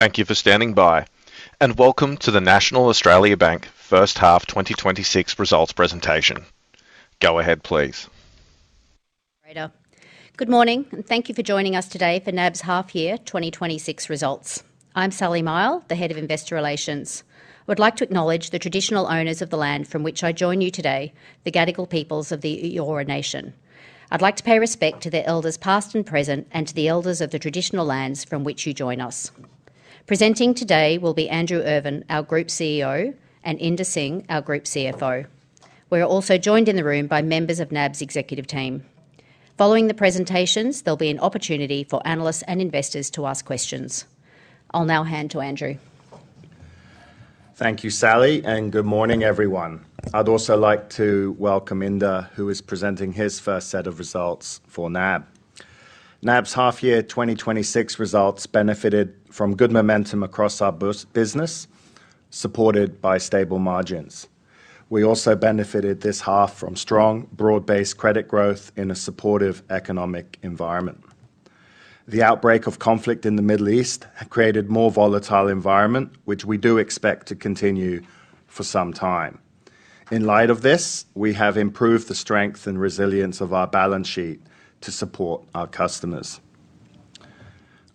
Thank you for standing by, and welcome to the National Australia Bank first half 2026 results presentation. Go ahead, please. Good morning, and thank you for joining us today for NAB's half year 2026 results. I'm Sally Mihell, the Head of Investor Relations. I would like to acknowledge the traditional owners of the land from which I join you today, the Gadigal peoples of the Eora nation. I'd like to pay respect to the elders past and present and to the elders of the traditional lands from which you join us. Presenting today will be Andrew Irvine, our Group CEO, and Inder Singh, our Group CFO. We're also joined in the room by members of NAB's executive team. Following the presentations, there'll be an opportunity for analysts and investors to ask questions. I'll now hand to Andrew. Thank you, Sally, and good morning, everyone. I'd also like to welcome Inder, who is presenting his first set of results for NAB. NAB's half year 2026 results benefited from good momentum across our business, supported by stable margins. We also benefited this half from strong, broad-based credit growth in a supportive economic environment. The outbreak of conflict in the Middle East created a more volatile environment, which we do expect to continue for some time. In light of this, we have improved the strength and resilience of our balance sheet to support our customers.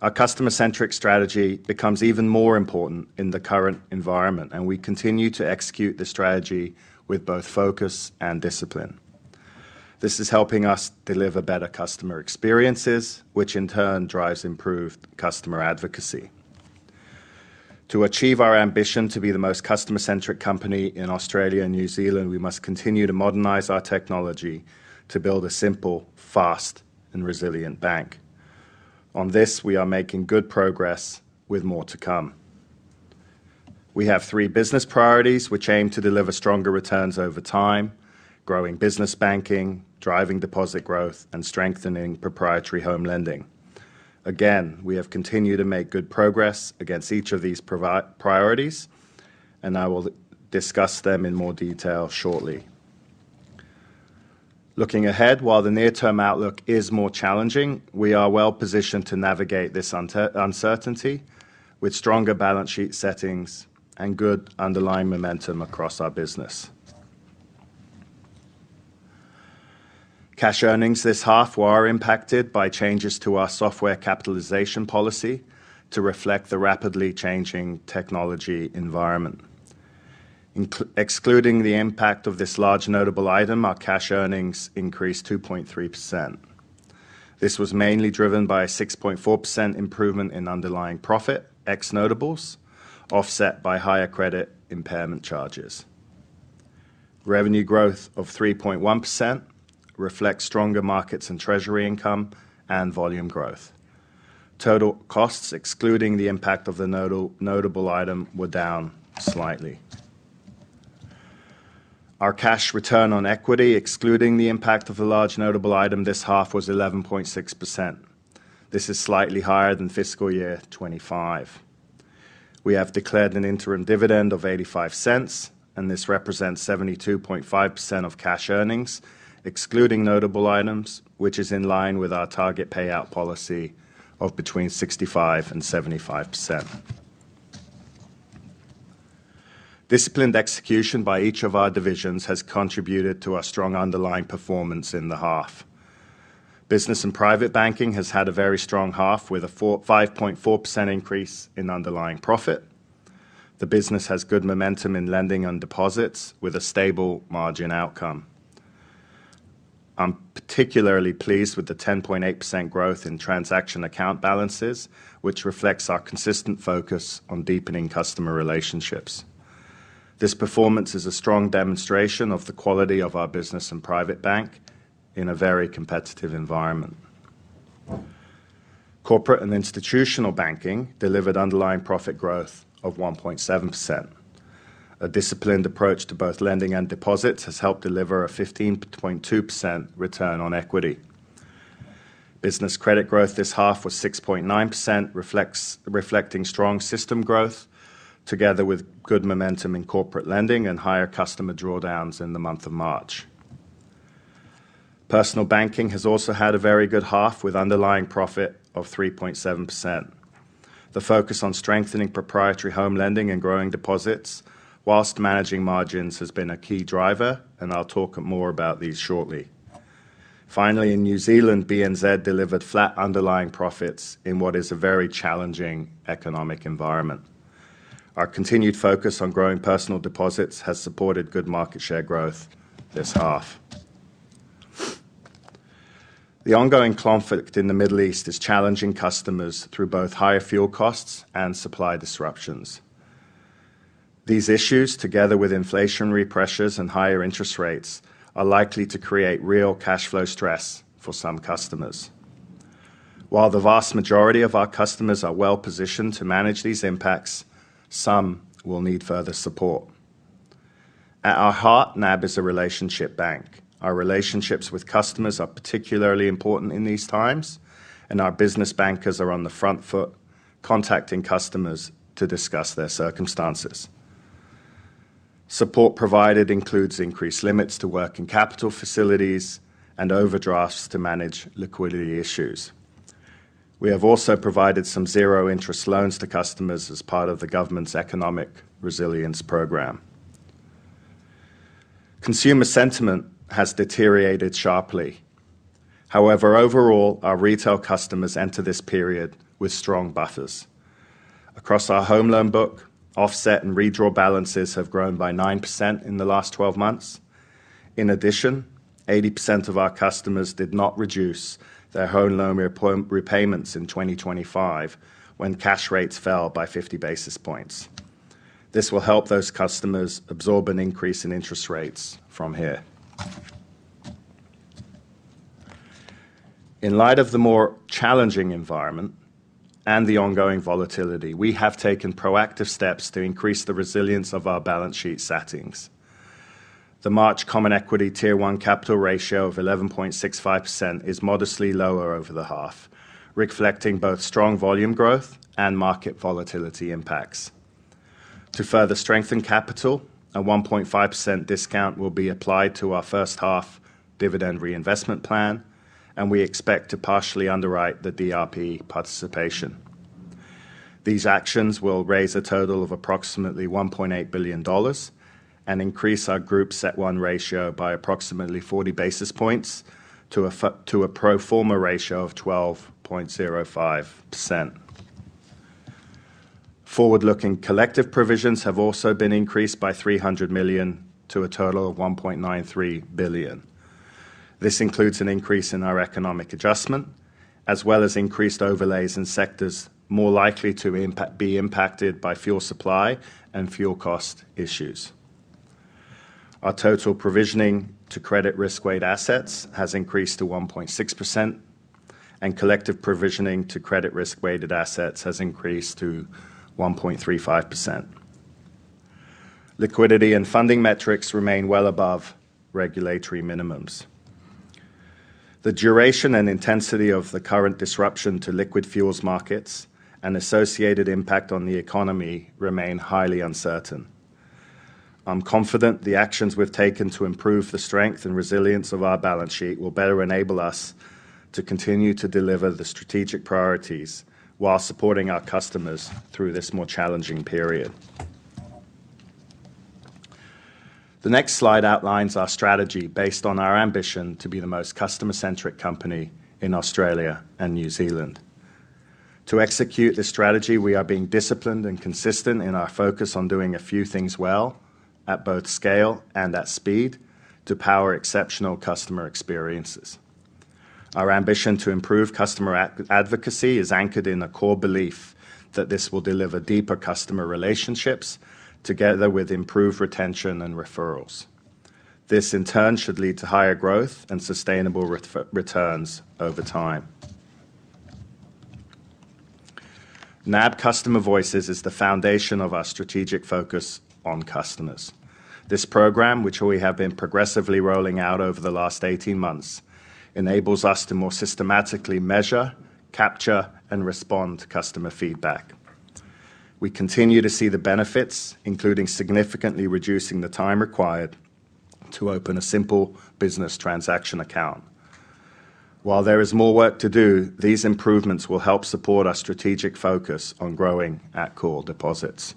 Our customer-centric strategy becomes even more important in the current environment, and we continue to execute the strategy with both focus and discipline. This is helping us deliver better customer experiences, which in turn drives improved customer advocacy. To achieve our ambition to be the most customer-centric company in Australia and New Zealand, we must continue to modernize our technology to build a simple, fast, and resilient bank. On this, we are making good progress with more to come. We have three business priorities which aim to deliver stronger returns over time, growing business banking, driving deposit growth, and strengthening proprietary home lending. Again, we have continued to make good progress against each of these priorities, and I will discuss them in more detail shortly. Looking ahead, while the near-term outlook is more challenging, we are well-positioned to navigate this uncertainty with stronger balance sheet settings and good underlying momentum across our business. Cash earnings this half were impacted by changes to our software capitalization policy to reflect the rapidly changing technology environment. Excluding the impact of this large notable item, our cash earnings increased 2.3%. This was mainly driven by a 6.4% improvement in underlying profit, ex-notables, offset by higher credit impairment charges. Revenue growth of 3.1% reflects stronger markets and treasury income and volume growth. Total costs, excluding the impact of the notable item, were down slightly. Our cash return on equity, excluding the impact of the large notable item, this half was 11.6%. This is slightly higher than fiscal year 2025. We have declared an interim dividend of 0.85. This represents 72.5% of cash earnings, excluding notable items, which is in line with our target payout policy of between 65%-75%. Disciplined execution by each of our divisions has contributed to our strong underlying performance in the half. Business and Private Banking has had a very strong half, with a 5.4% increase in underlying profit. The business has good momentum in lending and deposits, with a stable margin outcome. I'm particularly pleased with the 10.8% growth in transaction account balances, which reflects our consistent focus on deepening customer relationships. This performance is a strong demonstration of the quality of our Business and Private Bank in a very competitive environment. Corporate and Institutional Banking delivered underlying profit growth of 1.7%. A disciplined approach to both lending and deposits has helped deliver a 15.2% return on equity. Business credit growth this half was 6.9% reflecting strong system growth together with good momentum in corporate lending and higher customer drawdowns in the month of March. Personal banking has also had a very good half, with underlying profit of 3.7%. The focus on strengthening proprietary home lending and growing deposits while managing margins has been a key driver, I'll talk more about these shortly. In New Zealand, BNZ delivered flat underlying profits in what is a very challenging economic environment. Our continued focus on growing personal deposits has supported good market share growth this half. The ongoing conflict in the Middle East is challenging customers through both higher fuel costs and supply disruptions. These issues, together with inflationary pressures and higher interest rates, are likely to create real cash flow stress for some customers. While the vast majority of our customers are well-positioned to manage these impacts, some will need further support. At our heart, NAB is a relationship bank. Our relationships with customers are particularly important in these times, and our business bankers are on the front foot, contacting customers to discuss their circumstances. Support provided includes increased limits to work and capital facilities and overdrafts to manage liquidity issues. We have also provided some zero interest loans to customers as part of the government's economic resilience program. Consumer sentiment has deteriorated sharply. However, overall, our retail customers enter this period with strong buffers. Across our home loan book, offset and redraw balances have grown by 9% in the last 12 months. In addition, 80% of our customers did not reduce their home loan repayments in 2025 when cash rates fell by 50 basis points. This will help those customers absorb an increase in interest rates from here. In light of the more challenging environment and the ongoing volatility, we have taken proactive steps to increase the resilience of our balance sheet settings. The March Common Equity Tier 1 capital ratio of 11.65% is modestly lower over the half, reflecting both strong volume growth and market volatility impacts. To further strengthen capital, a 1.5% discount will be applied to our first half dividend reinvestment plan, and we expect to partially underwrite the DRP participation. These actions will raise a total of approximately 1.8 billion dollars and increase our group CET1 ratio by approximately 40 basis points to a pro forma ratio of 12.05%. Forward-looking collective provisions have also been increased by 300 million to a total of 1.93 billion. This includes an increase in our economic adjustment, as well as increased overlays in sectors more likely to be impacted by fuel supply and fuel cost issues. Our total provisioning to credit risk-weighted assets has increased to 1.6%, and collective provisioning to credit risk-weighted assets has increased to 1.35%. Liquidity and funding metrics remain well above regulatory minimums. The duration and intensity of the current disruption to liquid fuels markets and associated impact on the economy remain highly uncertain. I'm confident the actions we've taken to improve the strength and resilience of our balance sheet will better enable us to continue to deliver the strategic priorities while supporting our customers through this more challenging period. The next slide outlines our strategy based on our ambition to be the most customer-centric company in Australia and New Zealand. To execute this strategy, we are being disciplined and consistent in our focus on doing a few things well at both scale and at speed to power exceptional customer experiences. Our ambition to improve customer advocacy is anchored in a core belief that this will deliver deeper customer relationships together with improved retention and referrals. This, in turn, should lead to higher growth and sustainable returns over time. NAB Customer Voices is the foundation of our strategic focus on customers. This program, which we have been progressively rolling out over the last 18 months, enables us to more systematically measure, capture, and respond to customer feedback. We continue to see the benefits, including significantly reducing the time required to open a simple business transaction account. While there is more work to do, these improvements will help support our strategic focus on growing at core deposits.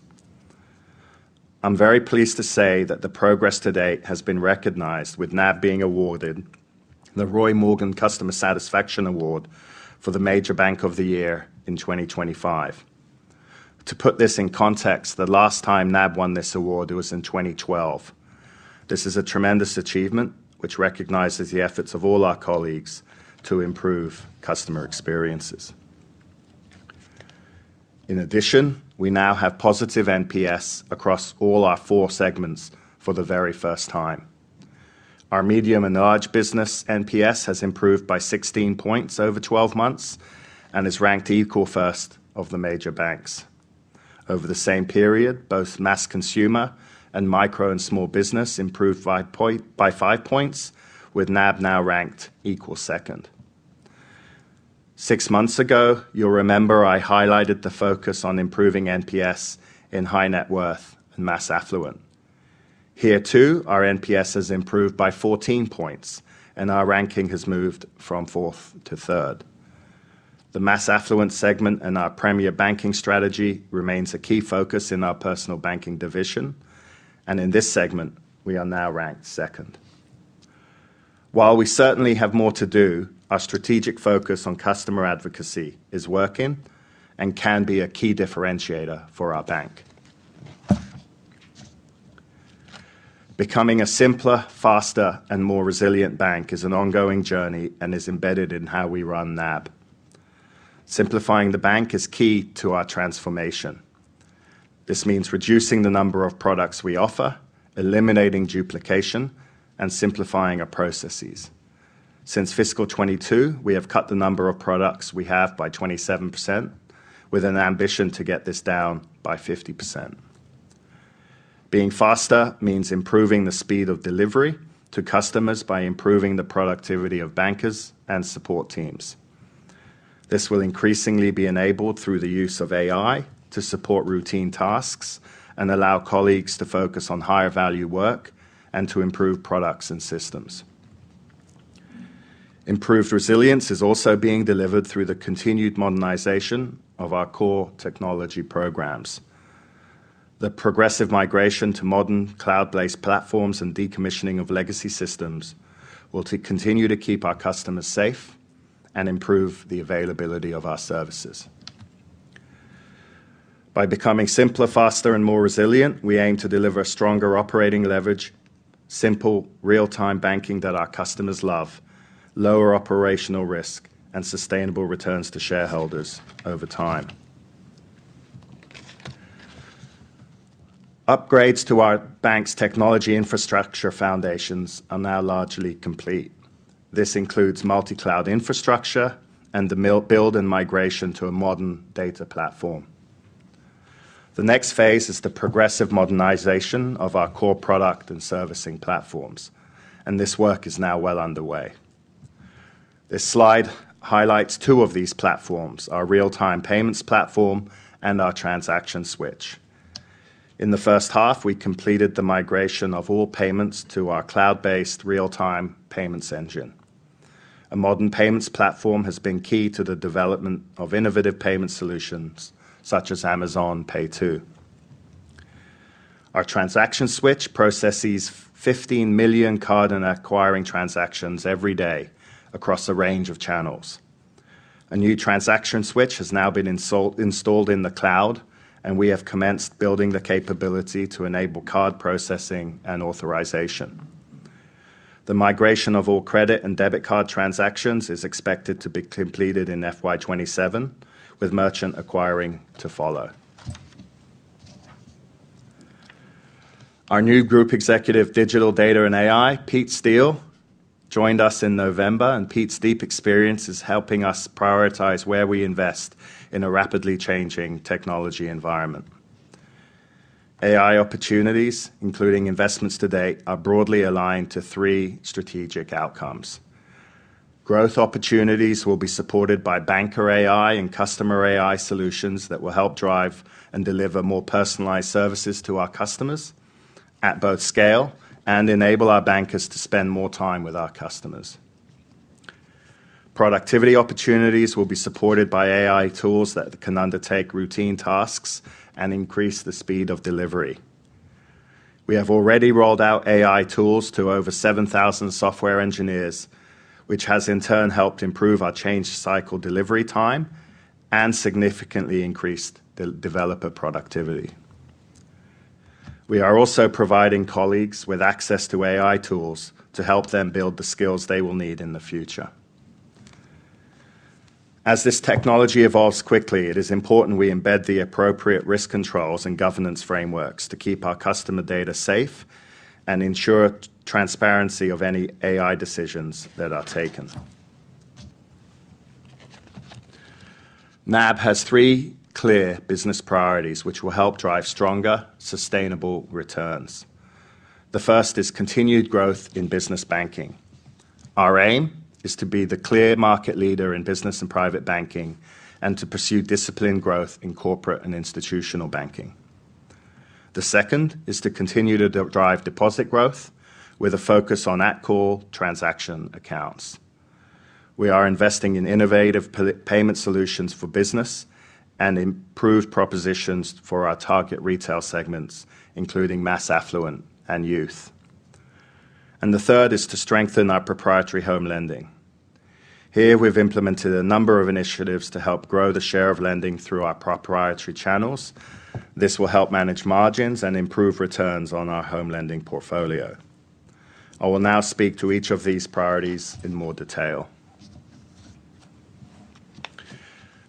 I'm very pleased to say that the progress to date has been recognized with NAB being awarded the Roy Morgan Customer Satisfaction Award for the Major Bank of the Year in 2025. To put this in context, the last time NAB won this award, it was in 2012. This is a tremendous achievement, which recognizes the efforts of all our colleagues to improve customer experiences. In addition, we now have positive NPS across all our four segments for the very first time. Our medium and large business NPS has improved by 16 points over 12 months and is ranked equal first of the major banks. Over the same period, both mass consumer and micro and small business improved by five points, with NAB now ranked equal second. Six months ago, you'll remember I highlighted the focus on improving NPS in high net worth and mass affluent. Here too, our NPS has improved by 14 points, and our ranking has moved from 4th to 3rd. The mass affluent segment in our premier banking strategy remains a key focus in our personal banking division, and in this segment, we are now ranked 2nd. While we certainly have more to do, our strategic focus on customer advocacy is working and can be a key differentiator for our bank. Becoming a simpler, faster, and more resilient bank is an ongoing journey and is embedded in how we run NAB. Simplifying the bank is key to our transformation. This means reducing the number of products we offer, eliminating duplication, and simplifying our processes. Since fiscal 2022, we have cut the number of products we have by 27%, with an ambition to get this down by 50%. Being faster means improving the speed of delivery to customers by improving the productivity of bankers and support teams. This will increasingly be enabled through the use of AI to support routine tasks and allow colleagues to focus on higher value work and to improve products and systems. Improved resilience is also being delivered through the continued modernization of our core technology programs. The progressive migration to modern cloud-based platforms and decommissioning of legacy systems will continue to keep our customers safe and improve the availability of our services. By becoming simpler, faster, and more resilient, we aim to deliver stronger operating leverage, simple real-time banking that our customers love, lower operational risk, and sustainable returns to shareholders over time. Upgrades to our bank's technology infrastructure foundations are now largely complete. This includes multi-cloud infrastructure and the build and migration to a modern data platform. The next phase is the progressive modernization of our core product and servicing platforms, and this work is now well underway. This slide highlights two of these platforms, our real-time payments platform and our transaction switch. In the first half, we completed the migration of all payments to our cloud-based real-time payments engine. A modern payments platform has been key to the development of innovative payment solutions, such as Amazon PayTo. Our transaction switch processes 15 million card and acquiring transactions every day across a range of channels. A new transaction switch has now been installed in the cloud, and we have commenced building the capability to enable card processing and authorization. The migration of all credit and debit card transactions is expected to be completed in FY 2027, with merchant acquiring to follow. Our new Group Executive, Digital, Data and AI, Pete Steel, joined us in November. Pete's deep experience is helping us prioritize where we invest in a rapidly changing technology environment. AI opportunities, including investments to date, are broadly aligned to three strategic outcomes. Growth opportunities will be supported by banker AI and customer AI solutions that will help drive and deliver more personalized services to our customers at both scale and enable our bankers to spend more time with our customers. Productivity opportunities will be supported by AI tools that can undertake routine tasks and increase the speed of delivery. We have already rolled out AI tools to over 7,000 software engineers, which has in turn helped improve our change cycle delivery time and significantly increased the developer productivity. We are also providing colleagues with access to AI tools to help them build the skills they will need in the future. As this technology evolves quickly, it is important we embed the appropriate risk controls and governance frameworks to keep our customer data safe and ensure transparency of any AI decisions that are taken. NAB has three clear business priorities, which will help drive stronger, sustainable returns. The first is continued growth in business banking. Our aim is to be the clear market leader in Business and Private Banking and to pursue disciplined growth in corporate and institutional banking. The second is to continue to drive deposit growth with a focus on at-call transaction accounts. We are investing in innovative payment solutions for business and improved propositions for our target retail segments, including mass affluent and youth. The third is to strengthen our proprietary home lending. Here, we've implemented a number of initiatives to help grow the share of lending through our proprietary channels. This will help manage margins and improve returns on our home lending portfolio. I will now speak to each of these priorities in more detail.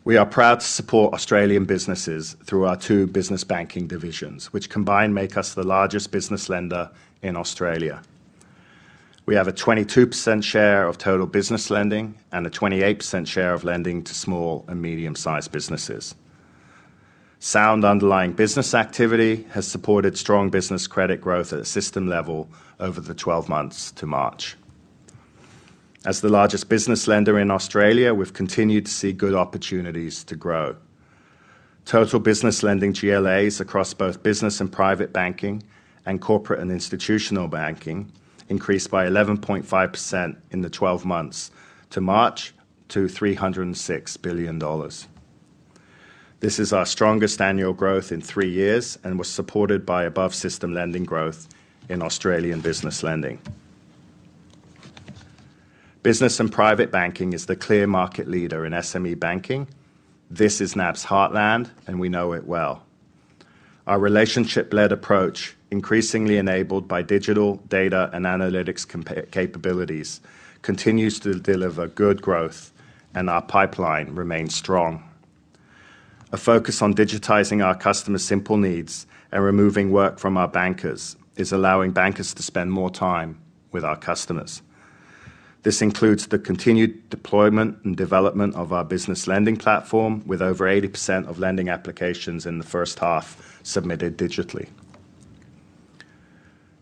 We are proud to support Australian businesses through our two business banking divisions, which combined make us the largest business lender in Australia. We have a 22% share of total business lending and a 28% share of lending to small and medium-sized businesses. Sound underlying business activity has supported strong business credit growth at a system level over the 12 months to March. As the largest business lender in Australia, we've continued to see good opportunities to grow. Total business lending GLAs across both Business and Private Banking and Corporate and Institutional Banking increased by 11.5% in the 12 months to March to 306 billion dollars. This is our strongest annual growth in three years and was supported by above-system lending growth in Australian business lending. Business and Private Banking is the clear market leader in SME banking. This is NAB's heartland, and we know it well. Our relationship-led approach, increasingly enabled by digital data and analytics capabilities, continues to deliver good growth, and our pipeline remains strong. A focus on digitizing our customers' simple needs and removing work from our bankers is allowing bankers to spend more time with our customers. This includes the continued deployment and development of our business lending platform, with over 80% of lending applications in the first half submitted digitally.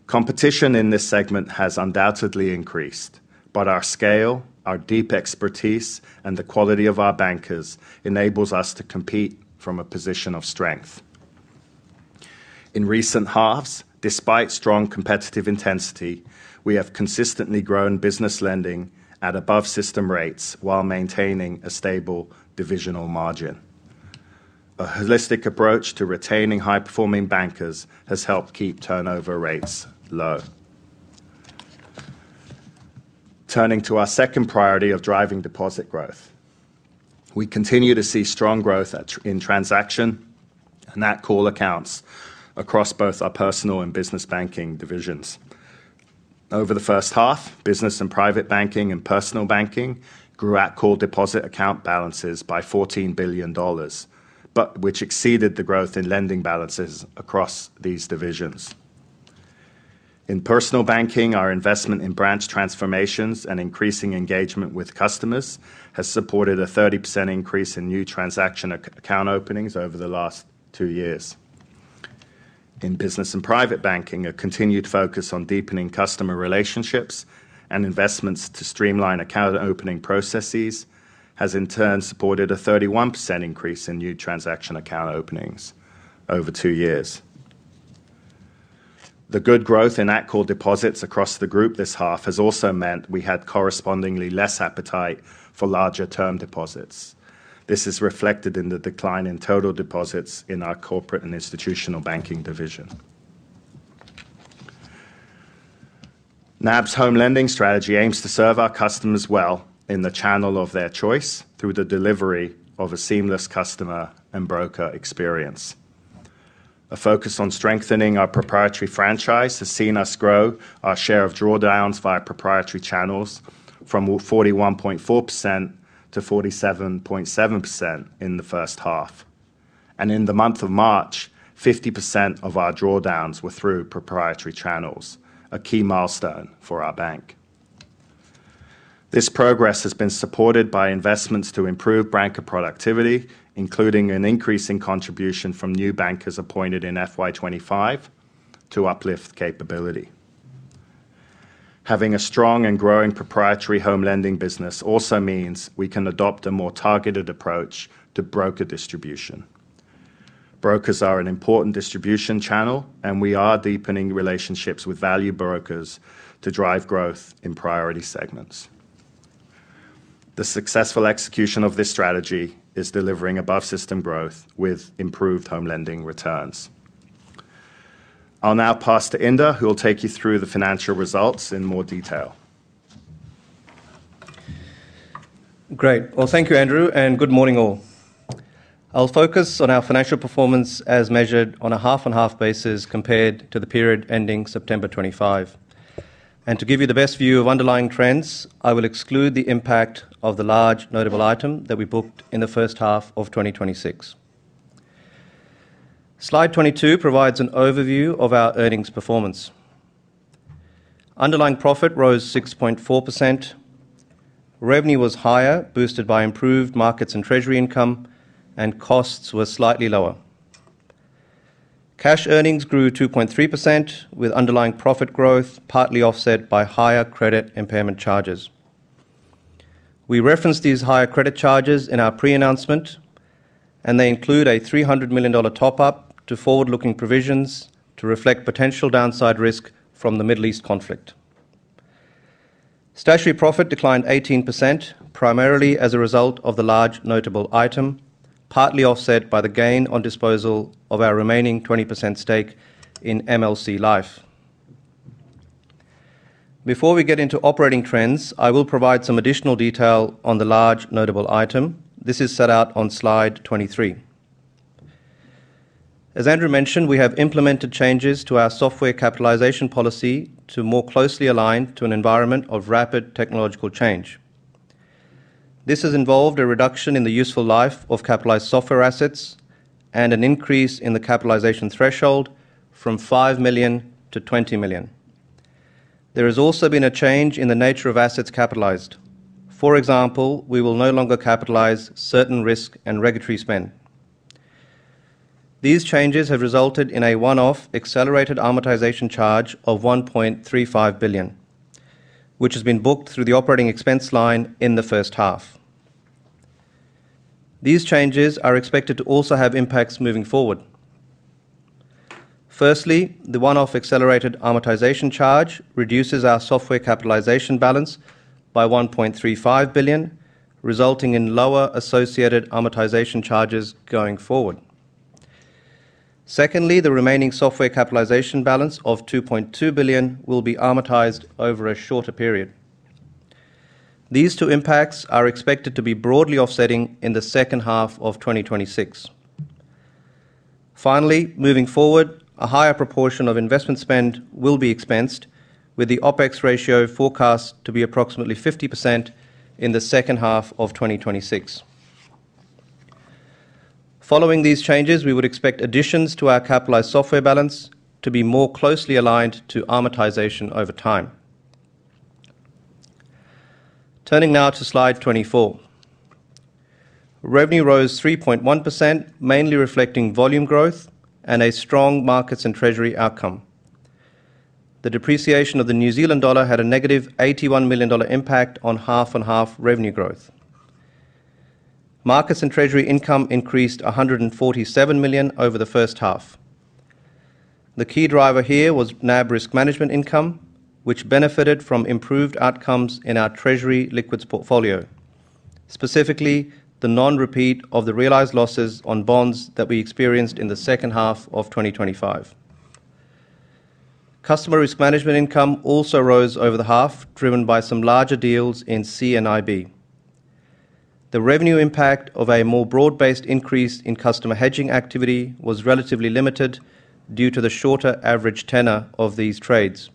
Competition in this segment has undoubtedly increased, our scale, our deep expertise, and the quality of our bankers enables us to compete from a position of strength. In recent halves, despite strong competitive intensity, we have consistently grown business lending at above-system rates while maintaining a stable divisional margin. A holistic approach to retaining high-performing bankers has helped keep turnover rates low. Turning to our second priority of driving deposit growth. We continue to see strong growth in transaction and at-call accounts across both our personal and business banking divisions. Over the first half, Business and Private Banking and personal banking grew at call deposit account balances by 14 billion dollars, which exceeded the growth in lending balances across these divisions. In personal banking, our investment in branch transformations and increasing engagement with customers has supported a 30% increase in new transaction account openings over the last two years. In Business and Private Banking, a continued focus on deepening customer relationships and investments to streamline account opening processes has in turn supported a 31% increase in new transaction account openings over two years. The good growth in actual deposits across the group this half has also meant we had correspondingly less appetite for larger term deposits. This is reflected in the decline in total deposits in our corporate and institutional banking division. NAB's home lending strategy aims to serve our customers well in the channel of their choice through the delivery of a seamless customer and broker experience. A focus on strengthening our proprietary franchise has seen us grow our share of drawdowns via proprietary channels from 41.4%-47.7% in the first half. In the month of March, 50% of our drawdowns were through proprietary channels, a key milestone for our Bank. This progress has been supported by investments to improve banker productivity, including an increase in contribution from new bankers appointed in FY 2025 to uplift capability. Having a strong and growing proprietary home lending business also means we can adopt a more targeted approach to broker distribution. Brokers are an important distribution channel, and we are deepening relationships with value brokers to drive growth in priority segments. The successful execution of this strategy is delivering above-system growth with improved home lending returns. I'll now pass to Inder, who will take you through the financial results in more detail. Great. Well, thank you, Andrew, and good morning all. I'll focus on our financial performance as measured on a half-on-half basis compared to the period ending September 25. To give you the best view of underlying trends, I will exclude the impact of the large notable item that we booked in the first half of 2026. Slide 22 provides an overview of our earnings performance. Underlying profit rose 6.4%. Revenue was higher, boosted by improved markets and treasury income, and costs were slightly lower. Cash earnings grew 2.3%, with underlying profit growth partly offset by higher credit impairment charges. We referenced these higher credit charges in our pre-announcement, and they include an 300 million dollar top-up to forward-looking provisions to reflect potential downside risk from the Middle East conflict. Statutory profit declined 18%, primarily as a result of the large notable item, partly offset by the gain on disposal of our remaining 20% stake in MLC Life. Before we get into operating trends, I will provide some additional detail on the large notable item. This is set out on slide 23. As Andrew mentioned, we have implemented changes to our software capitalization policy to more closely align to an environment of rapid technological change. This has involved a reduction in the useful life of capitalized software assets and an increase in the capitalization threshold from 5 million to 20 million. There has also been a change in the nature of assets capitalized. For example, we will no longer capitalize certain risk and regulatory spend. These changes have resulted in a one-off accelerated amortization charge of 1.35 billion, which has been booked through the operating expense line in the first half. These changes are expected to also have impacts moving forward. The one-off accelerated amortization charge reduces our software capitalization balance by 1.35 billion, resulting in lower associated amortization charges going forward. The remaining software capitalization balance of 2.2 billion will be amortized over a shorter period. These two impacts are expected to be broadly offsetting in the second half of 2026. Moving forward, a higher proportion of investment spend will be expensed with the OpEx ratio forecast to be approximately 50% in the second half of 2026. Following these changes, we would expect additions to our capitalized software balance to be more closely aligned to amortization over time. Turning now to slide 24. Revenue rose 3.1%, mainly reflecting volume growth and a strong markets and treasury outcome. The depreciation of the New Zealand dollar had a negative 81 million dollar impact on half-on-half revenue growth. Markets and treasury income increased 147 million over the first half. The key driver here was NAB risk management income, which benefited from improved outcomes in our treasury liquids portfolio, specifically the non-repeat of the realized losses on bonds that we experienced in the second half of 2025. Customer risk management income also rose over the half, driven by some larger deals in C&IB. The revenue impact of a more broad-based increase in customer hedging activity was relatively limited due to the shorter average tenor of these trades.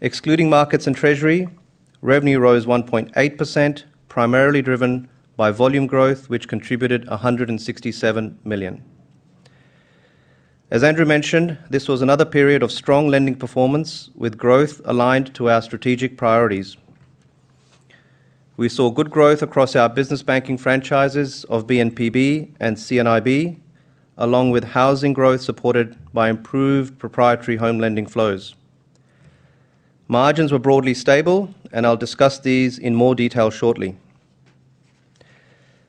Excluding markets and treasury, revenue rose 1.8%, primarily driven by volume growth, which contributed 167 million. As Andrew mentioned, this was another period of strong lending performance with growth aligned to our strategic priorities. We saw good growth across our business banking franchises of B&PB and C&IB, along with housing growth supported by improved proprietary home lending flows. Margins were broadly stable, and I'll discuss these in more detail shortly.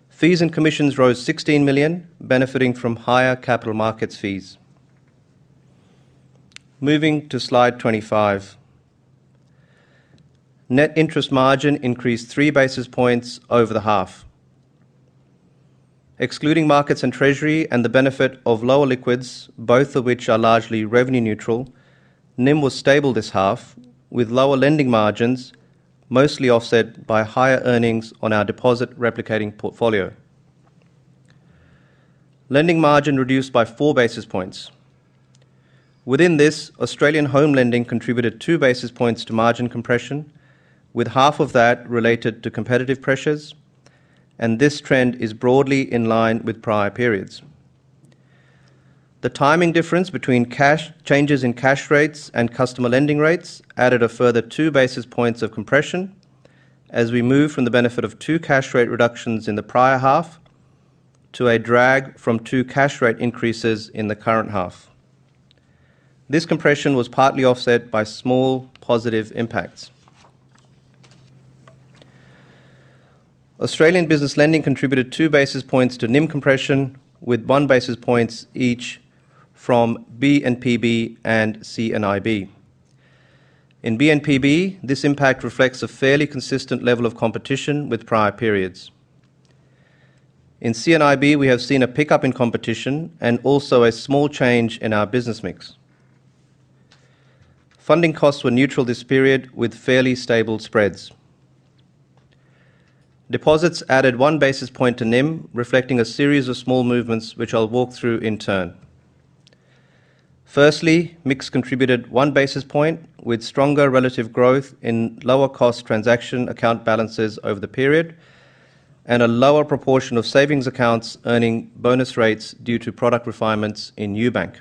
Fees and commissions rose 16 million, benefiting from higher capital markets fees. Moving to slide 25. Net interest margin increased 3 basis points over the half. Excluding markets and treasury and the benefit of lower liquids, both of which are largely revenue neutral, NIM was stable this half, with lower lending margins mostly offset by higher earnings on our deposit replicating portfolio. Lending margin reduced by 4 basis points. Within this, Australian home lending contributed 2 basis points to margin compression, with half of that related to competitive pressures. This trend is broadly in line with prior periods. The timing difference between changes in cash rates and customer lending rates added a further 2 basis points of compression as we move from the benefit of two cash rate reductions in the prior half to a drag from two cash rate increases in the current half. This compression was partly offset by small positive impacts. Australian business lending contributed 2 basis points to NIM compression, with one basis points each from B&PB and C&IB. In B&PB, this impact reflects a fairly consistent level of competition with prior periods. In C&IB, we have seen a pickup in competition and also a small change in our business mix. Funding costs were neutral this period with fairly stable spreads. Deposits added 1 basis point to NIM, reflecting a series of small movements, which I'll walk through in turn. Firstly, mix contributed 1 basis point with stronger relative growth in lower cost transaction account balances over the period and a lower proportion of savings accounts earning bonus rates due to product refinements in Ubank.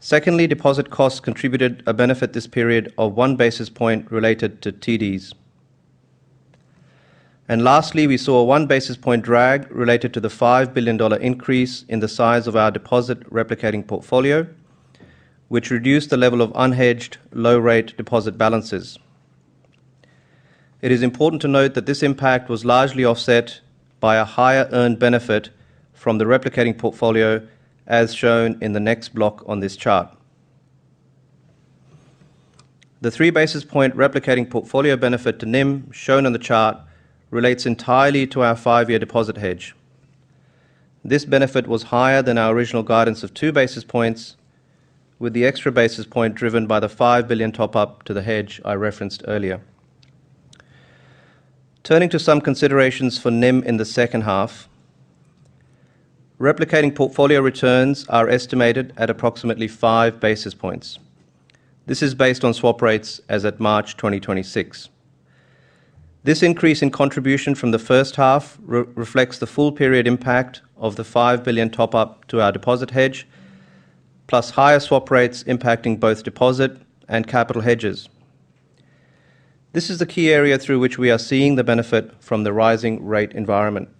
Secondly, deposit costs contributed a benefit this period of 1 basis point related to TDs. Lastly, we saw a 1 basis point drag related to the 5 billion dollar increase in the size of our deposit replicating portfolio, which reduced the level of unhedged low rate deposit balances. It is important to note that this impact was largely offset by a higher earned benefit from the replicating portfolio as shown in the next block on this chart. The 3 basis point replicating portfolio benefit to NIM shown on the chart relates entirely to our five-year deposit hedge. This benefit was higher than our original guidance of 2 basis points, with the extra basis point driven by the 5 billion top-up to the hedge I referenced earlier. Turning to some considerations for NIM in the second half, replicating portfolio returns are estimated at approximately 5 basis points. This is based on swap rates as at March 2026. This increase in contribution from the first half re-reflects the full period impact of the 5 billion top-up to our deposit hedge, plus higher swap rates impacting both deposit and capital hedges. This is the key area through which we are seeing the benefit from the rising rate environment.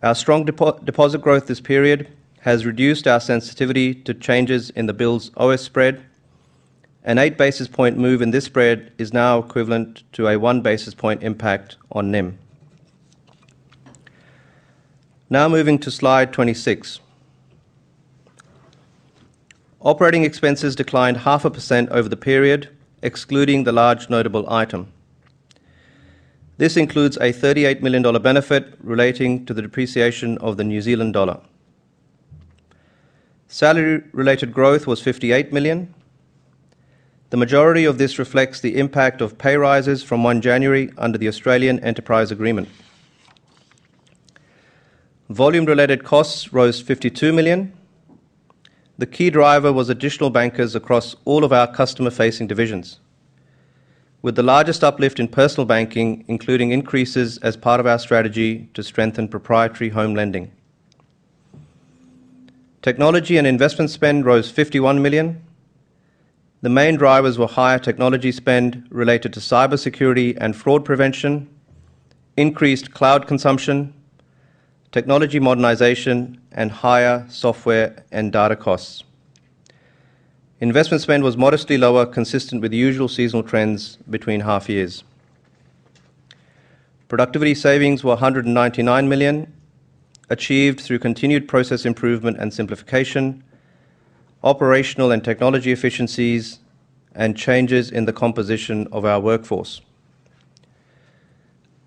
Our strong deposit growth this period has reduced our sensitivity to changes in the Bills/OIS spread. An 8 basis point move in this spread is now equivalent to a 1 basis point impact on NIM. Moving to slide 26. Operating expenses declined half a % over the period, excluding the large notable item. This includes a NZD 38 million benefit relating to the depreciation of the New Zealand dollar. Salary-related growth was 58 million. The majority of this reflects the impact of pay rises from 1 January under the National Australia Bank Enterprise Agreement. Volume-related costs rose 52 million. The key driver was additional bankers across all of our customer-facing divisions, with the largest uplift in Personal Banking, including increases as part of our strategy to strengthen proprietary home lending. Technology and investment spend rose 51 million. The main drivers were higher technology spend related to cybersecurity and fraud prevention, increased cloud consumption, technology modernization, and higher software and data costs. Investment spend was modestly lower, consistent with the usual seasonal trends between half years. Productivity savings were 199 million, achieved through continued process improvement and simplification, operational and technology efficiencies, and changes in the composition of our workforce.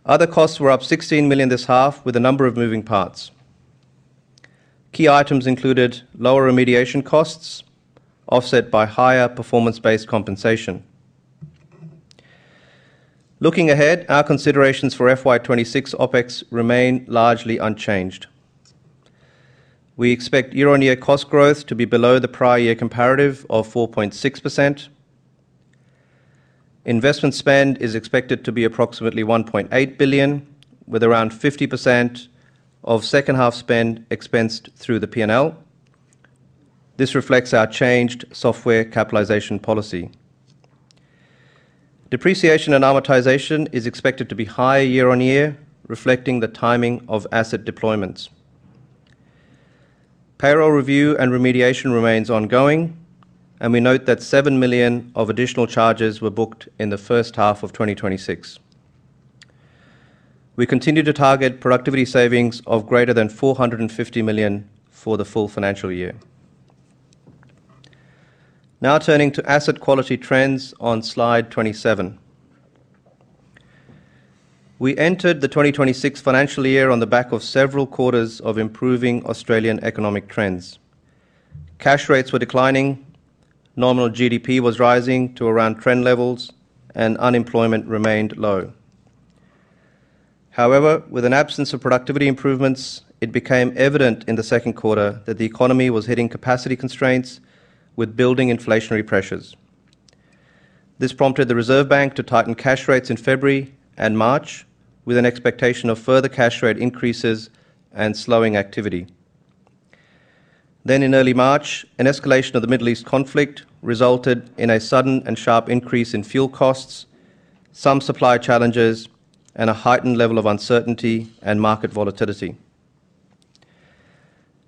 Other costs were up 16 million this half with a number of moving parts. Key items included lower remediation costs offset by higher performance-based compensation. Looking ahead, our considerations for FY 2026 OpEx remain largely unchanged. We expect year-on-year cost growth to be below the prior year comparative of 4.6%. Investment spend is expected to be approximately 1.8 billion, with around 50% of second half spend expensed through the P&L. This reflects our changed software capitalization policy. Depreciation and amortization is expected to be higher year-on-year, reflecting the timing of asset deployments. Payroll review and remediation remains ongoing, and we note that 7 million of additional charges were booked in the first half of 2026. We continue to target productivity savings of greater than 450 million for the full financial year. Now turning to asset quality trends on slide 27. We entered the 2026 financial year on the back of several quarters of improving Australian economic trends. Cash rates were declining, normal GDP was rising to around trend levels, and unemployment remained low. However, with an absence of productivity improvements, it became evident in the second quarter that the economy was hitting capacity constraints with building inflationary pressures. This prompted the Reserve Bank to tighten cash rates in February and March with an expectation of further cash rate increases and slowing activity. In early March, an escalation of the Middle East conflict resulted in a sudden and sharp increase in fuel costs, some supply challenges, and a heightened level of uncertainty and market volatility.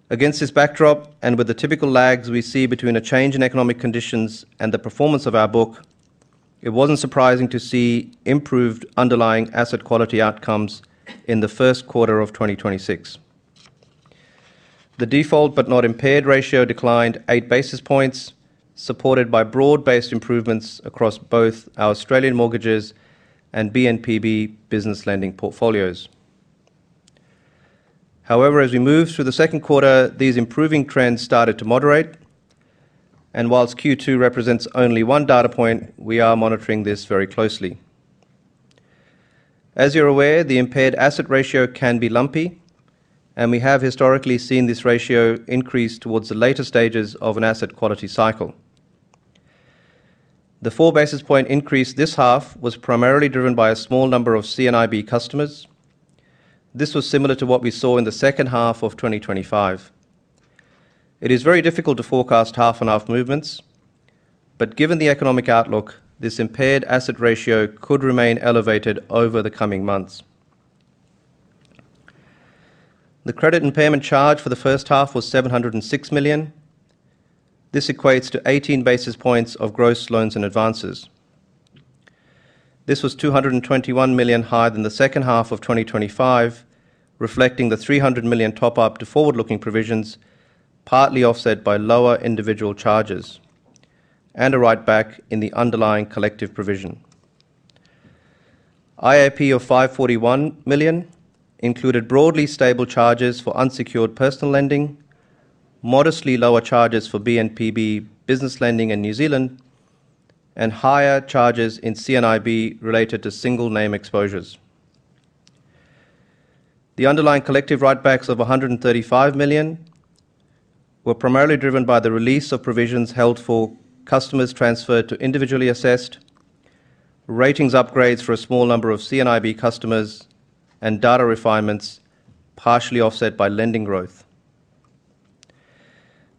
Against this backdrop, and with the typical lags we see between a change in economic conditions and the performance of our book, it wasn't surprising to see improved underlying asset quality outcomes in the first quarter of 2026. The default but not impaired ratio declined 8 basis points, supported by broad-based improvements across both our Australian mortgages and B&PB business lending portfolios. However, as we moved through the second quarter, these improving trends started to moderate, and whilst Q2 represents only one data point, we are monitoring this very closely. As you're aware, the impaired asset ratio can be lumpy, and we have historically seen this ratio increase towards the later stages of an asset quality cycle. The four basis point increase this half was primarily driven by a small number of C&IB customers. This was similar to what we saw in the second half of 2025. It is very difficult to forecast half-on-half movements, but given the economic outlook, this impaired asset ratio could remain elevated over the coming months. The credit impairment charge for the first half was 706 million. This equates to 18 basis points of gross loans and advances. This was 221 million higher than the second half of 2025, reflecting the 300 million top-up to forward-looking provisions, partly offset by lower individual charges and a write-back in the underlying collective provision. IAP of 541 million included broadly stable charges for unsecured personal lending, modestly lower charges for B&PB business lending in New Zealand, and higher charges in C&IB related to single name exposures. The underlying collective write-backs of 135 million were primarily driven by the release of provisions held for customers transferred to individually assessed, ratings upgrades for a small number of C&IB customers, and data refinements partially offset by lending growth.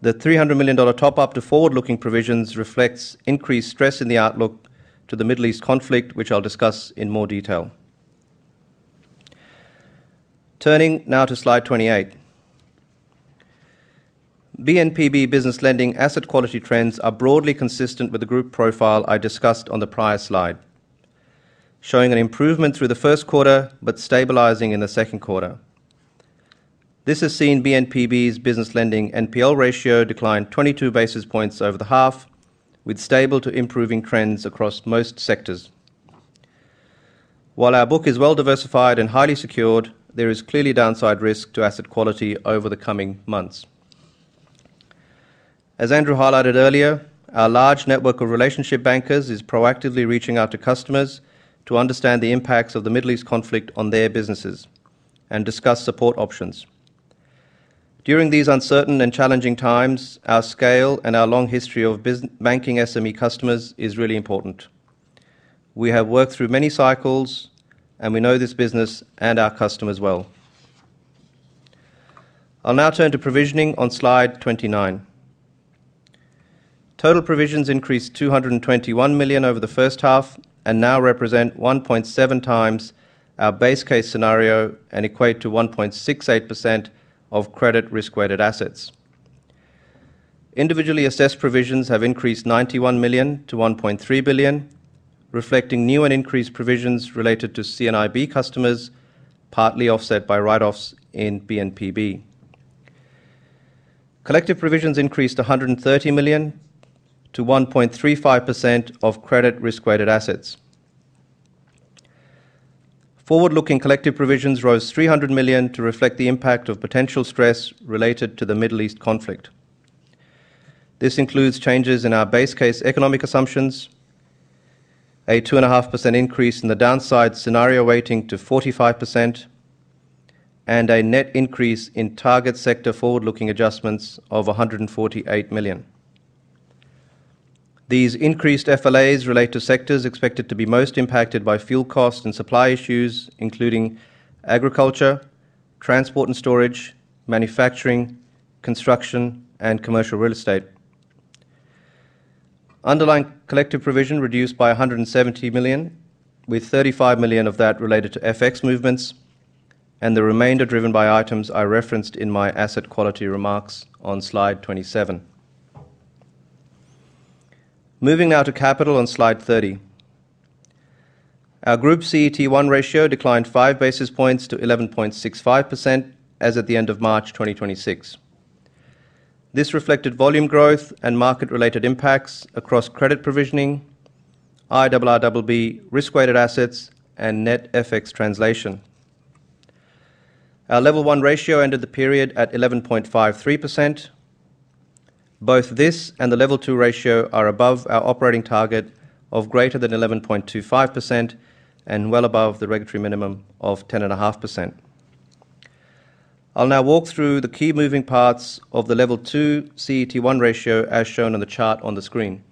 The 300 million dollar top-up to forward-looking provisions reflects increased stress in the outlook to the Middle East conflict, which I'll discuss in more detail. Turning now to slide 28. B&PB business lending asset quality trends are broadly consistent with the group profile I discussed on the prior slide, showing an improvement through the first quarter but stabilizing in the second quarter. This has seen B&PB's business lending NPL ratio decline 22 basis points over the half, with stable to improving trends across most sectors. While our book is well diversified and highly secured, there is clearly downside risk to asset quality over the coming months. As Andrew highlighted earlier, our large network of relationship bankers is proactively reaching out to customers to understand the impacts of the Middle East conflict on their businesses and discuss support options. During these uncertain and challenging times, our scale and our long history of banking SME customers is really important. We have worked through many cycles, and we know this business and our customers well. I'll now turn to provisioning on slide 29. Total provisions increased 221 million over the first half and now represent 1.7 times our base case scenario and equate to 1.68% of credit risk-weighted assets. Individually assessed provisions have increased 91 million to 1.3 billion, reflecting new and increased provisions related to C&IB customers, partly offset by write-offs in B&PB. Collective provisions increased 130 million to 1.35% of credit risk-weighted assets. Forward-looking collective provisions rose 300 million to reflect the impact of potential stress related to the Middle East conflict. This includes changes in our base case economic assumptions, a 2.5% increase in the downside scenario weighting to 45%, and a net increase in target sector forward-looking adjustments of 148 million. These increased FLAs relate to sectors expected to be most impacted by fuel costs and supply issues, including agriculture, transport and storage, manufacturing, construction, and commercial real estate. Underlying collective provision reduced by 170 million, with 35 million of that related to FX movements and the remainder driven by items I referenced in my asset quality remarks on slide 27. Moving now to capital on slide 30. Our Group CET1 ratio declined 5 basis points to 11.65% as at the end of March 2026. This reflected volume growth and market-related impacts across credit provisioning, IRRBB risk-weighted assets, and net FX translation. Our Level 1 ratio ended the period at 11.53%. Both this and the Level 2 ratio are above our operating target of greater than 11.25% and well above the regulatory minimum of 10.5%. I'll now walk through the key moving parts of the Level 2 CET1 ratio as shown on the chart on the screen.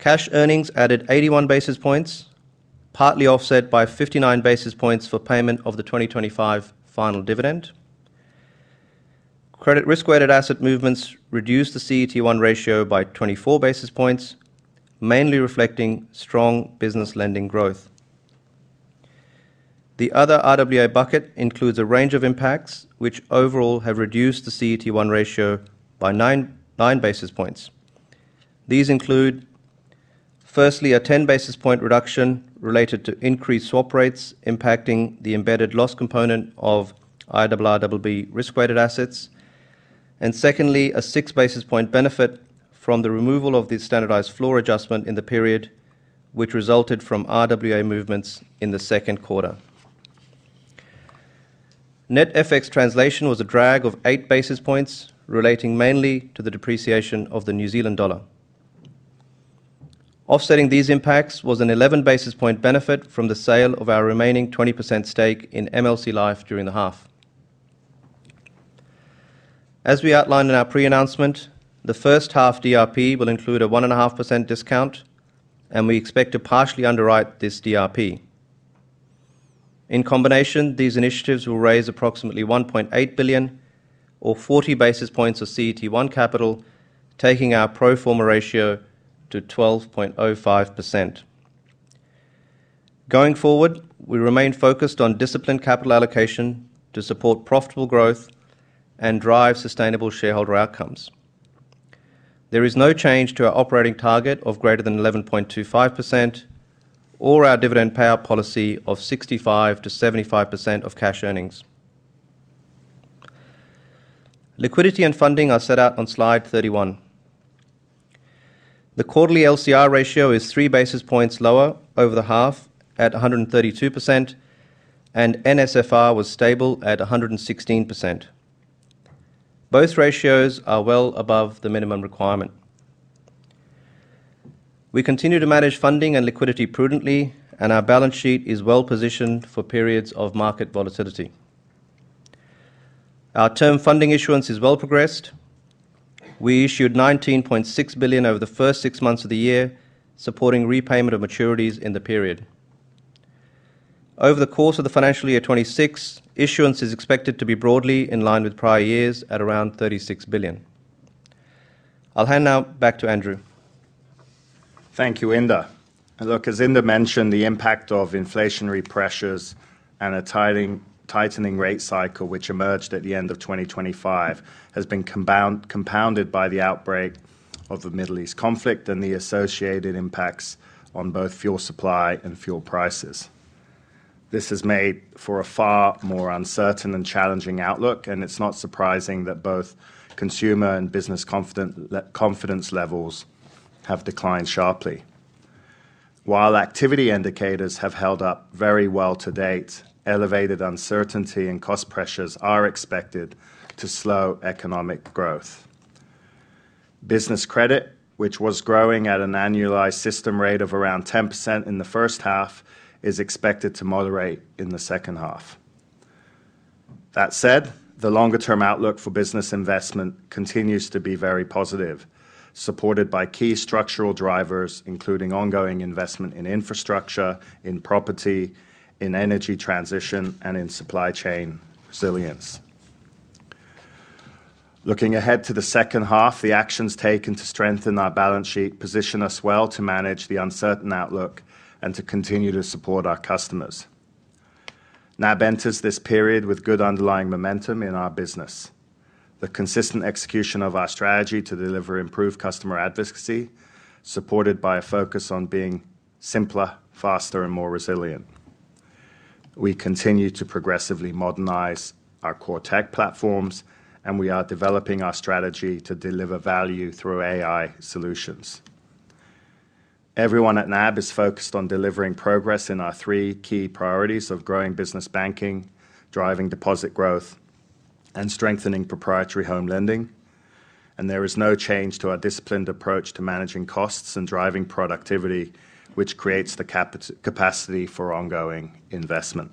Cash earnings added 81 basis points, partly offset by 59 basis points for payment of the 2025 final dividend. Credit risk-weighted asset movements reduced the CET1 ratio by 24 basis points, mainly reflecting strong business lending growth. The other RWA bucket includes a range of impacts which overall have reduced the CET1 ratio by 9 basis points. These include, firstly, a 10 basis point reduction related to increased swap rates impacting the embedded loss component of IRRBB risk-weighted assets, and secondly, a 6 basis point benefit from the removal of the standardized floor adjustment in the period which resulted from RWA movements in the second quarter. Net FX translation was a drag of 8 basis points relating mainly to the depreciation of the New Zealand dollar. Offsetting these impacts was an 11 basis point benefit from the sale of our remaining 20% stake in MLC Life during the half. As we outlined in our pre-announcement, the first-half DRP will include a 1.5% discount, and we expect to partially underwrite this DRP. In combination, these initiatives will raise approximately 1.8 billion or 40 basis points of CET1 capital, taking our pro forma ratio to 12.05%. Going forward, we remain focused on disciplined capital allocation to support profitable growth and drive sustainable shareholder outcomes. There is no change to our operating target of greater than 11.25% or our dividend payout policy of 65%-75% of cash earnings. Liquidity and funding are set out on slide 31. The quarterly LCR ratio is 3 basis points lower over the half at 132%, and NSFR was stable at 116%. Both ratios are well above the minimum requirement. We continue to manage funding and liquidity prudently, and our balance sheet is well-positioned for periods of market volatility. Our term funding issuance is well progressed. We issued 19.6 billion over the first six months of the year, supporting repayment of maturities in the period. Over the course of the financial year 2026, issuance is expected to be broadly in line with prior years at around 36 billion. I'll hand now back to Andrew. Thank you, Inder. As Inder mentioned, the impact of inflationary pressures and a tightening rate cycle which emerged at the end of 2025 has been compounded by the outbreak of the Middle East conflict and the associated impacts on both fuel supply and fuel prices. This has made for a far more uncertain and challenging outlook, it's not surprising that both consumer and business confidence levels have declined sharply. While activity indicators have held up very well to date, elevated uncertainty and cost pressures are expected to slow economic growth. Business credit, which was growing at an annualized system rate of around 10% in the first half, is expected to moderate in the second half. That said, the longer-term outlook for business investment continues to be very positive, supported by key structural drivers, including ongoing investment in infrastructure, in property, in energy transition, and in supply chain resilience. Looking ahead to the second half, the actions taken to strengthen our balance sheet position us well to manage the uncertain outlook and to continue to support our customers. NAB enters this period with good underlying momentum in our business. The consistent execution of our strategy to deliver improved customer advocacy, supported by a focus on being simpler, faster, and more resilient. We continue to progressively modernize our core tech platforms, and we are developing our strategy to deliver value through AI solutions. Everyone at NAB is focused on delivering progress in our three key priorities of growing business banking, driving deposit growth, and strengthening proprietary home lending. There is no change to our disciplined approach to managing costs and driving productivity, which creates the capacity for ongoing investment.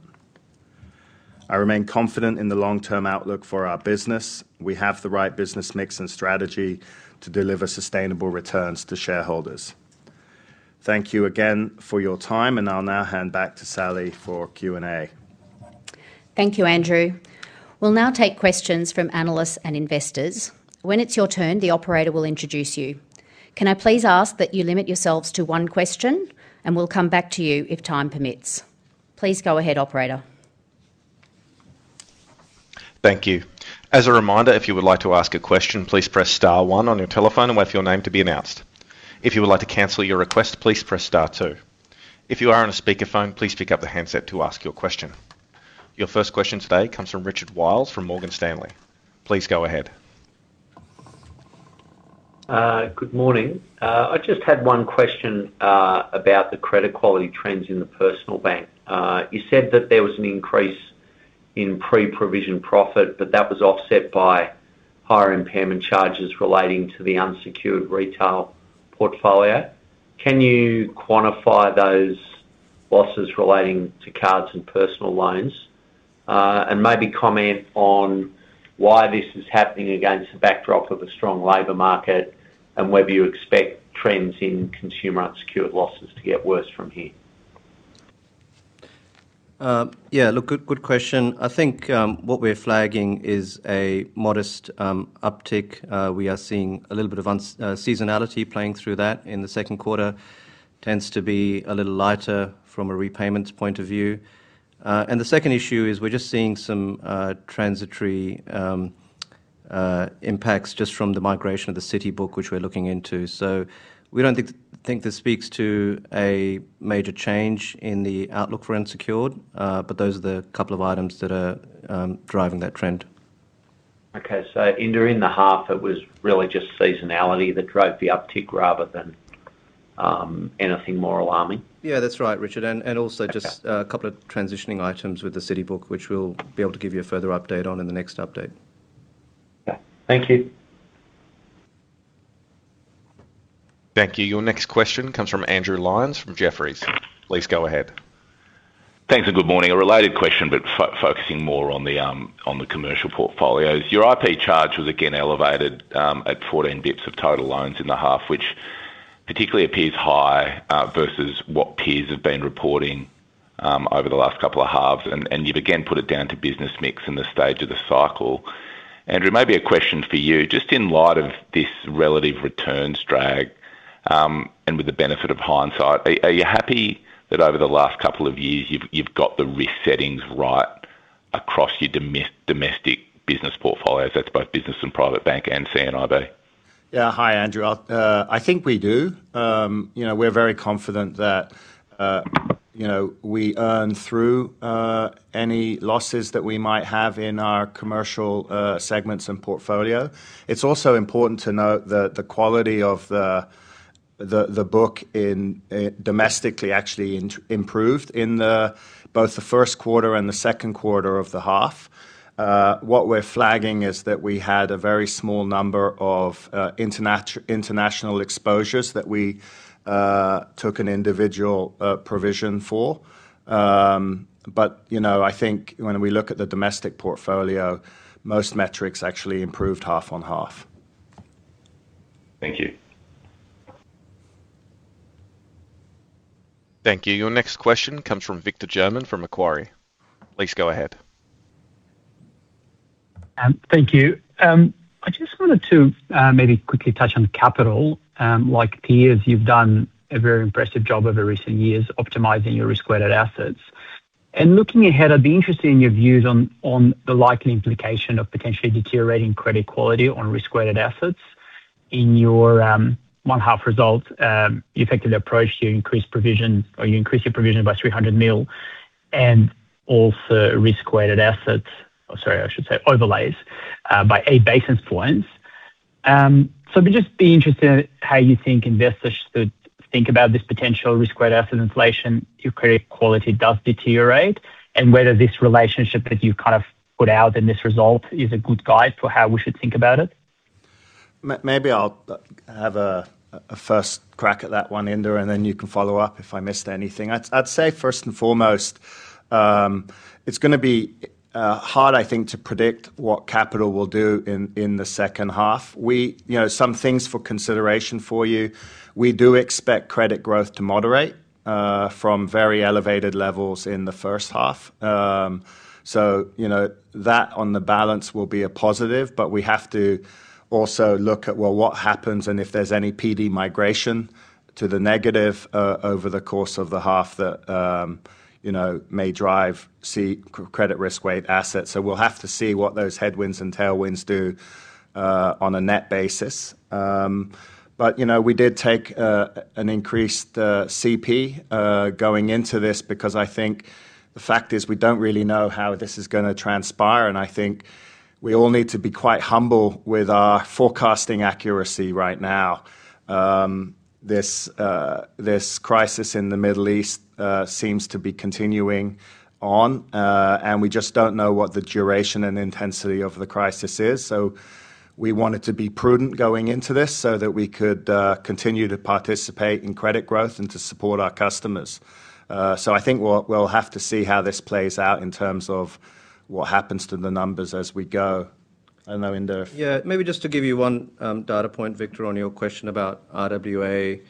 I remain confident in the long-term outlook for our business. We have the right business mix and strategy to deliver sustainable returns to shareholders. Thank you again for your time, and I'll now hand back to Sally for Q&A. Thank you, Andrew. We'll now take questions from analysts and investors. When it's your turn, the operator will introduce you. Can I please ask that you limit yourselves to one question, and we'll come back to you if time permits. Please go ahead, operator. Thank you. As a reminder, if you would like to ask a question, please press star one on your telephone and wait for your name to be announced. If you would like to cancel your request, please press star two. If you are on speakerphone, please pick up a handset to ask your question. Your first question today comes from Richard Wiles from Morgan Stanley. Please go ahead. Good morning. I just had one question about the credit quality trends in the personal bank. You said that there was an increase in pre-provision profit, that was offset by higher impairment charges relating to the unsecured retail portfolio. Can you quantify those losses relating to cards and personal loans? Maybe comment on why this is happening against the backdrop of a strong labor market and whether you expect trends in consumer unsecured losses to get worse from here. Yeah, look, good question. I think what we're flagging is a modest uptick. We are seeing a little bit of seasonality playing through that, and the second quarter tends to be a little lighter from a repayments point of view. And the second issue is we're just seeing some transitory impacts just from the migration of the Citi book, which we're looking into. We don't think this speaks to a major change in the outlook for unsecured, but those are the couple of items that are driving that trend. Okay. during the half, it was really just seasonality that drove the uptick rather than anything more alarming? Yeah, that's right, Richard. Also just a couple of transitioning items with the Citi book, which we'll be able to give you a further update on in the next update. Okay. Thank you. Thank you. Your next question comes from Andrew Lyons from Jefferies. Please go ahead. Thanks, good morning. A related question, focusing more on the commercial portfolios. Your IAP charge was again elevated, at 14 basis points of total loans in the half, which particularly appears high versus what peers have been reporting over the last couple of halves. You've again put it down to business mix and the stage of the cycle. Andrew, maybe a question for you. Just in light of this relative returns drag, and with the benefit of hindsight, are you happy that over the last couple of years you've got the risk settings right across your domestic business portfolios? That's both Business and Private Bank and C&IB. Hi, Andrew. I think we do. You know, we're very confident that, you know, we earn through any losses that we might have in our commercial segments and portfolio. It's also important to note that the quality of the book in domestically actually improved in both the first quarter and the second quarter of the half. What we're flagging is that we had a very small number of international exposures that we took an individual provision for. You know, I think when we look at the domestic portfolio, most metrics actually improved half on half. Thank you. Thank you. Your next question comes from Victor German from Macquarie. Please go ahead. Thank you. I just wanted to maybe quickly touch on capital. Like peers, you've done a very impressive job over recent years optimizing your risk-weighted assets. Looking ahead, I'd be interested in your views on the likely implication of potentially deteriorating credit quality on risk-weighted assets. In your one-half results, you effectively approached, you increased your provision by 300 million and also risk-weighted assets. Sorry, I should say overlays, by a basis points. I'd just be interested in how you think investors should think about this potential risk-weighted asset inflation if credit quality does deteriorate, and whether this relationship that you've kind of put out in this result is a good guide for how we should think about it. Maybe I'll have a first crack at that one, Inder, and then you can follow up if I missed anything. I'd say say first and foremost, it's going to be hard, I think, to predict what capital will do in the second half. You know, some things for consideration for you. We do expect credit growth to moderate from very elevated levels in the first half. That on the balance will be a positive, but we have to also look at what happens and if there's any PD migration to the negative over the course of the half that may drive credit risk-weighted assets. We'll have to see what those headwinds and tailwinds do on a net basis. You know, we did take an increased CP going into this because I think the fact is we don't really know how this is going to transpire, and I think we all need to be quite humble with our forecasting accuracy right now. This crisis in the Middle East seems to be continuing on, and we just don't know what the duration and intensity of the crisis is. We wanted to be prudent going into this so that we could continue to participate in credit growth and to support our customers. I think we'll have to see how this plays out in terms of what happens to the numbers as we go. I don't know, Inder. Maybe just to give you one data point, Victor, on your question about RWA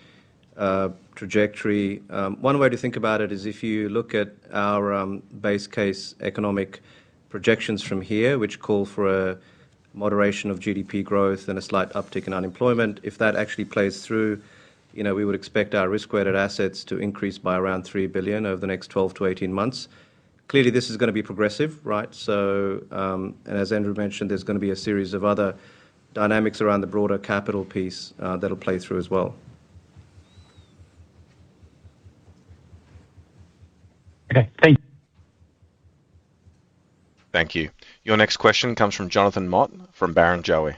trajectory. One way to think about it is if you look at our base case economic projections from here, which call for a moderation of GDP growth and a slight uptick in unemployment, if that actually plays through, you know, we would expect our risk-weighted assets to increase by around 3 billion over the next 12-18 months. Clearly, this is gonna be progressive, right? As Andrew mentioned, there's gonna be a series of other dynamics around the broader capital piece that'll play through as well. Okay. Thank you. Thank you. Your next question comes from Jonathan Mott from Barrenjoey.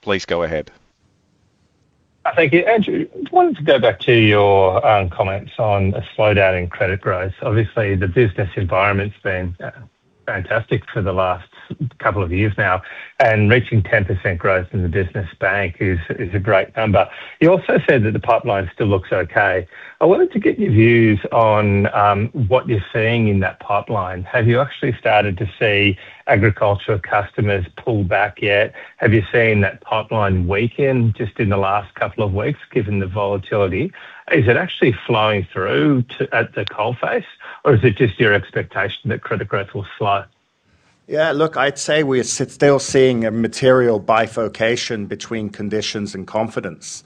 Please go ahead. Thank you. Andrew, I wanted to go back to your comments on a slowdown in credit growth. Obviously, the business environment's been fantastic for the last couple of years now, and reaching 10% growth in the Business Bank is a great number. You also said that the pipeline still looks okay. I wanted to get your views on what you're seeing in that pipeline. Have you actually started to see agriculture customers pull back yet? Have you seen that pipeline weaken just in the last couple of weeks, given the volatility? Is it actually flowing through at the coal face, or is it just your expectation that credit growth will slow? Yeah, look, I'd say we're still seeing a material bifurcation between conditions and confidence.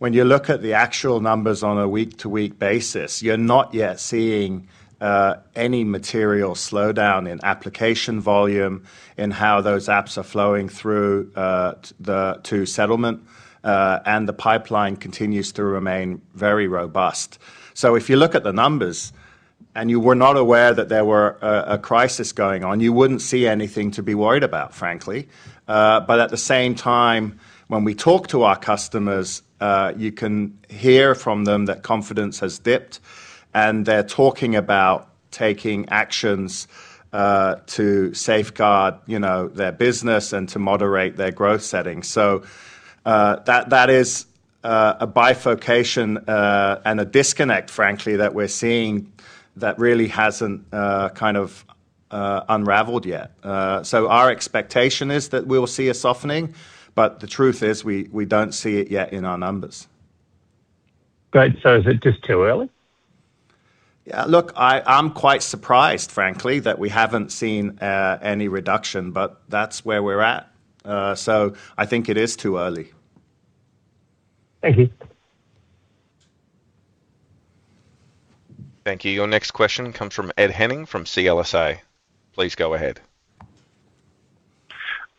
When you look at the actual numbers on a week-to-week basis, you're not yet seeing any material slowdown in application volume, in how those apps are flowing through the, to settlement, and the pipeline continues to remain very robust. If you look at the numbers and you were not aware that there were a crisis going on, you wouldn't see anything to be worried about, frankly. At the same time, when we talk to our customers, you can hear from them that confidence has dipped, and they're talking about taking actions, to safeguard, you know, their business and to moderate their growth settings. That is a bifurcation, and a disconnect, frankly, that we're seeing that really hasn't, kind of, unraveled yet. Our expectation is that we'll see a softening, but the truth is we don't see it yet in our numbers. Great. Is it just too early? Yeah, look, I'm quite surprised, frankly, that we haven't seen any reduction, but that's where we're at. I think it is too early. Thank you. Thank you. Your next question comes from Ed Henning from CLSA. Please go ahead.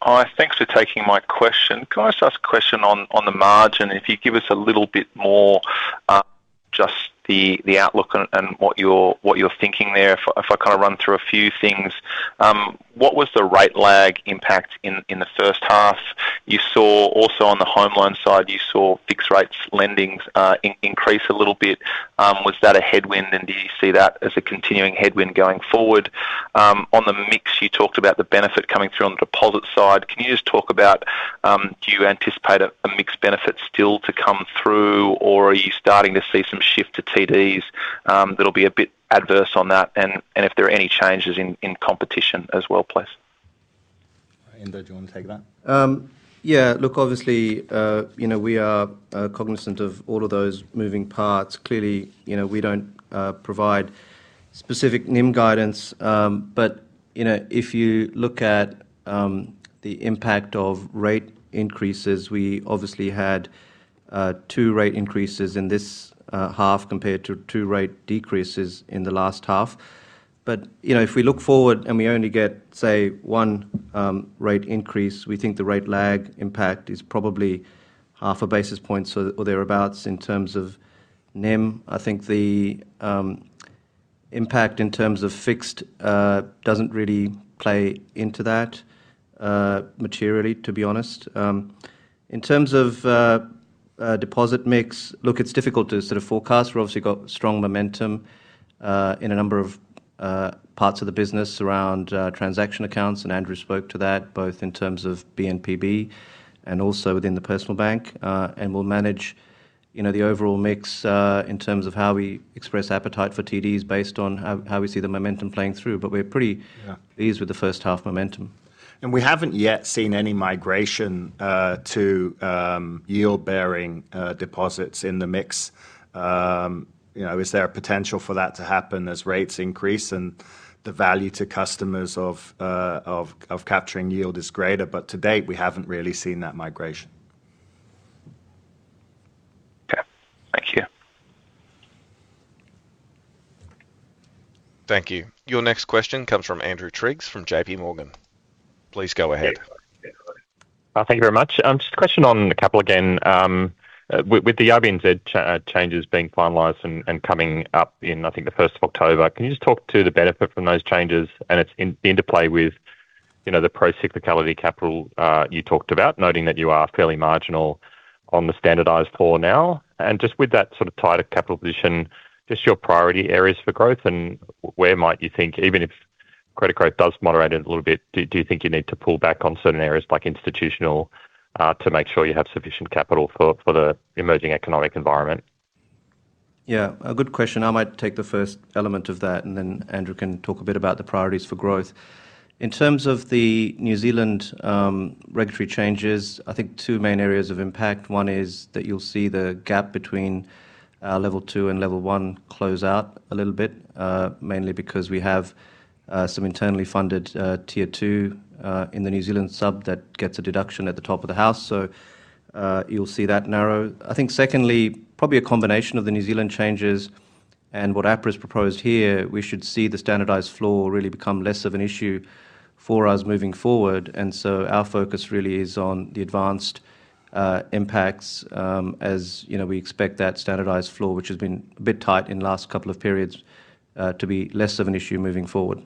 All right. Thanks for taking my question. Can I just ask a question on the margin? If you give us a little bit more, just the outlook and what you're thinking there if I kind of run through a few things. What was the rate lag impact in the first half? You saw also on the home loan side, you saw fixed rates lending increase a little bit. Was that a headwind? Do you see that as a continuing headwind going forward? On the mix, you talked about the benefit coming through on the deposit side. Can you just talk about, do you anticipate a mixed benefit still to come through, or are you starting to see some shift to TDs, that'll be a bit adverse on that, and if there are any changes in competition as well, please? Inder, do you want to take that? Yeah. Look, obviously, you know, we are cognizant of all of those moving parts. Clearly, you know, we don't provide specific NIM guidance. You know, if you look at the impact of rate increases, we obviously had two rate increases in this half compared to two rate decreases in the last half. You know, if we look forward and we only get, say, one rate increase, we think the rate lag impact is probably half a basis point or thereabout in terms of NIM. I think the impact in terms of fixed doesn't really play into that materially, to be honest. In terms of deposit mix, look, it's difficult to sort of forecast. We've obviously got strong momentum in a number of parts of the business around transaction accounts, and Andrew spoke to that both in terms of B&PB and also within the personal bank. We'll manage, you know, the overall mix in terms of how we express appetite for TDs based on how we see the momentum playing through. We're pretty pleased with the first half momentum. We haven't yet seen any migration to yield-bearing deposits in the mix. You know, is there a potential for that to happen as rates increase and the value to customers of capturing yield is greater? To date, we haven't really seen that migration. Okay. Thank you. Thank you. Your next question comes from Andrew Triggs from JPMorgan. Please go ahead. Yeah. Thank you very much. Just a question on the capital again. With the RBNZ changes being finalized and coming up in, I think, the 1st of October, can you just talk to the benefit from those changes and its interplay with, you know, the pro cyclicality capital you talked about, noting that you are fairly marginal on the standardized floor now? Just with that sort of tighter capital position, just your priority areas for growth and where might you think, even if credit growth does moderate a little bit, do you think you need to pull back on certain areas like institutional to make sure you have sufficient capital for the emerging economic environment? Yeah, a good question. I might take the first element of that, and then Andrew can talk a bit about the priorities for growth. In terms of the New Zealand regulatory changes, I think two main areas of impact. One is that you'll see the gap between Level 2 and Level 1 close out a little bit, mainly because we have some internally funded Tier 2 in the New Zealand sub that gets a deduction at the top of the house. You'll see that narrow. I think secondly, probably a combination of the New Zealand changes and what APRA's proposed here, we should see the standardized floor really become less of an issue for us moving forward. Our focus really is on the advanced impacts, as, you know, we expect that standardized floor, which has been a bit tight in the last couple of periods, to be less of an issue moving forward.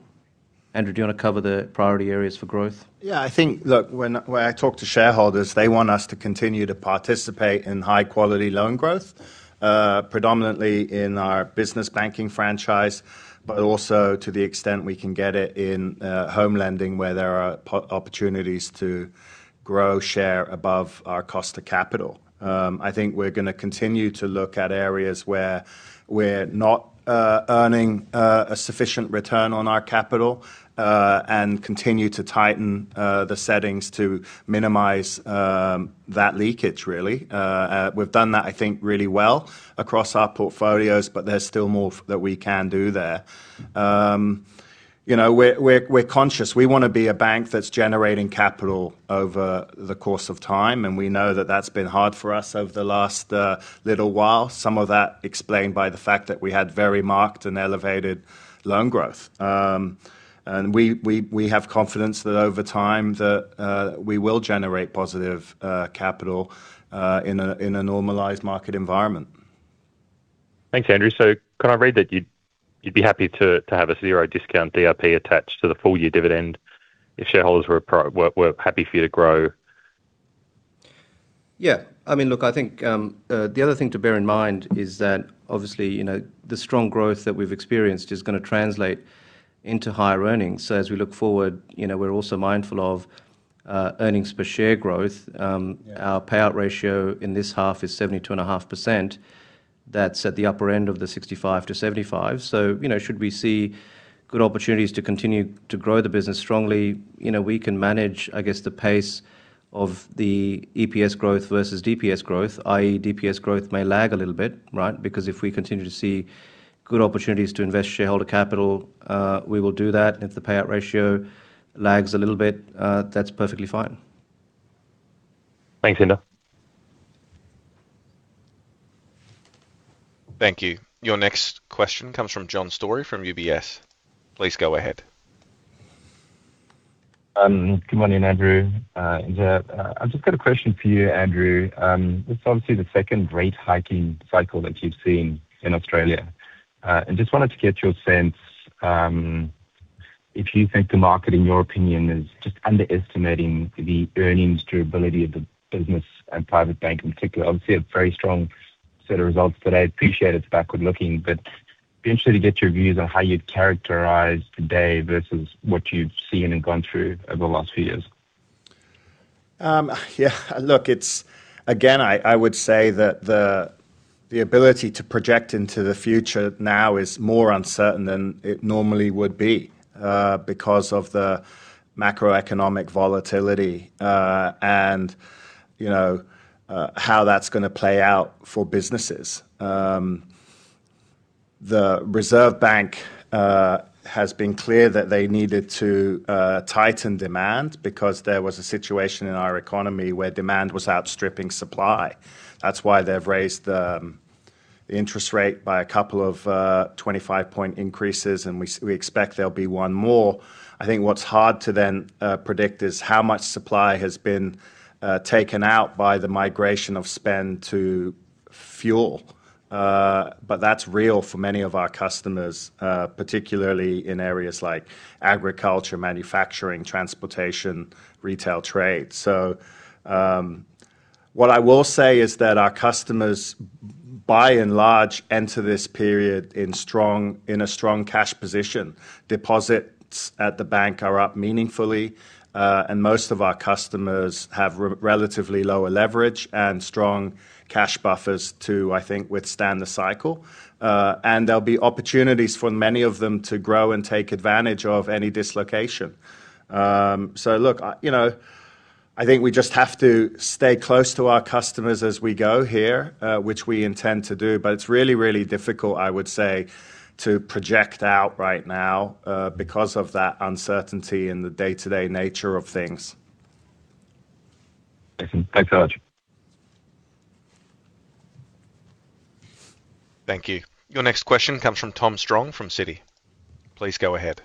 Andrew, do you want to cover the priority areas for growth? I think when I talk to shareholders, they want us to continue to participate in high quality loan growth, predominantly in our business banking franchise, but also to the extent we can get it in home lending where there are opportunities to grow share above our cost to capital. I think we're gonna continue to look at areas where we're not earning a sufficient return on our capital and continue to tighten the settings to minimize that leakage really. We've done that, I think, really well across our portfolios, but there's still more that we can do there. You know, we're conscious. We wanna be a bank that's generating capital over the course of time, and we know that that's been hard for us over the last little while. Some of that explained by the fact that we had very marked and elevated loan growth. We have confidence that over time that we will generate positive capital in a normalized market environment. Thanks, Andrew. Can I read that you'd be happy to have a zero discount DRP attached to the full year dividend if shareholders were happy for you to grow? Yeah. I mean, look, I think, the other thing to bear in mind is that obviously, you know, the strong growth that we've experienced is gonna translate into higher earnings. As we look forward, you know, we're also mindful of earnings per share growth our payout ratio in this half is 72.5%. That's at the upper end of the 65-75. You know, should we see good opportunities to continue to grow the business strongly, you know, we can manage, I guess, the pace of the EPS growth versus DPS growth, i.e. DPS growth may lag a little bit, right? If we continue to see good opportunities to invest shareholder capital, we will do that. If the payout ratio lags a little bit, that's perfectly fine. Thanks, Inder. Thank you. Your next question comes from John Storey from UBS. Please go ahead. Good morning, Andrew, Inder. I've just got a question for you, Andrew. This is obviously the second rate hiking cycle that you've seen in Australia. Just wanted to get your sense, if you think the market, in your opinion, is just underestimating the earnings durability of the Business and Private Bank in particular. Obviously, a very strong set of results today. Appreciate it's backward looking, but be interested to get your views on how you'd characterize today versus what you've seen and gone through over the last few years. Yeah. Look, it's, again, I would say that the ability to project into the future now is more uncertain than it normally would be because of the macroeconomic volatility. You know, how that's gonna play out for businesses. The Reserve Bank has been clear that they needed to tighten demand because there was a situation in our economy where demand was outstripping supply. That's why they've raised the interest rate by a couple of 25 point increases, and we expect there'll be one more. I think what's hard to then predict is how much supply has been taken out by the migration of spend to fuel. That's real for many of our customers, particularly in areas like agriculture, manufacturing, transportation, retail trade. What I will say is that our customers by and large enter this period in a strong cash position. Deposits at the bank are up meaningfully, and most of our customers have relatively lower leverage and strong cash buffers to, I think, withstand the cycle. There'll be opportunities for many of them to grow and take advantage of any dislocation. Look, you know, I think we just have to stay close to our customers as we go here, which we intend to do. It's really, really difficult, I would say, to project out right now, because of that uncertainty and the day-to-day nature of things. Thanks, Andrew. Thank you. Your next question comes from Tom Strong from Citi. Please go ahead.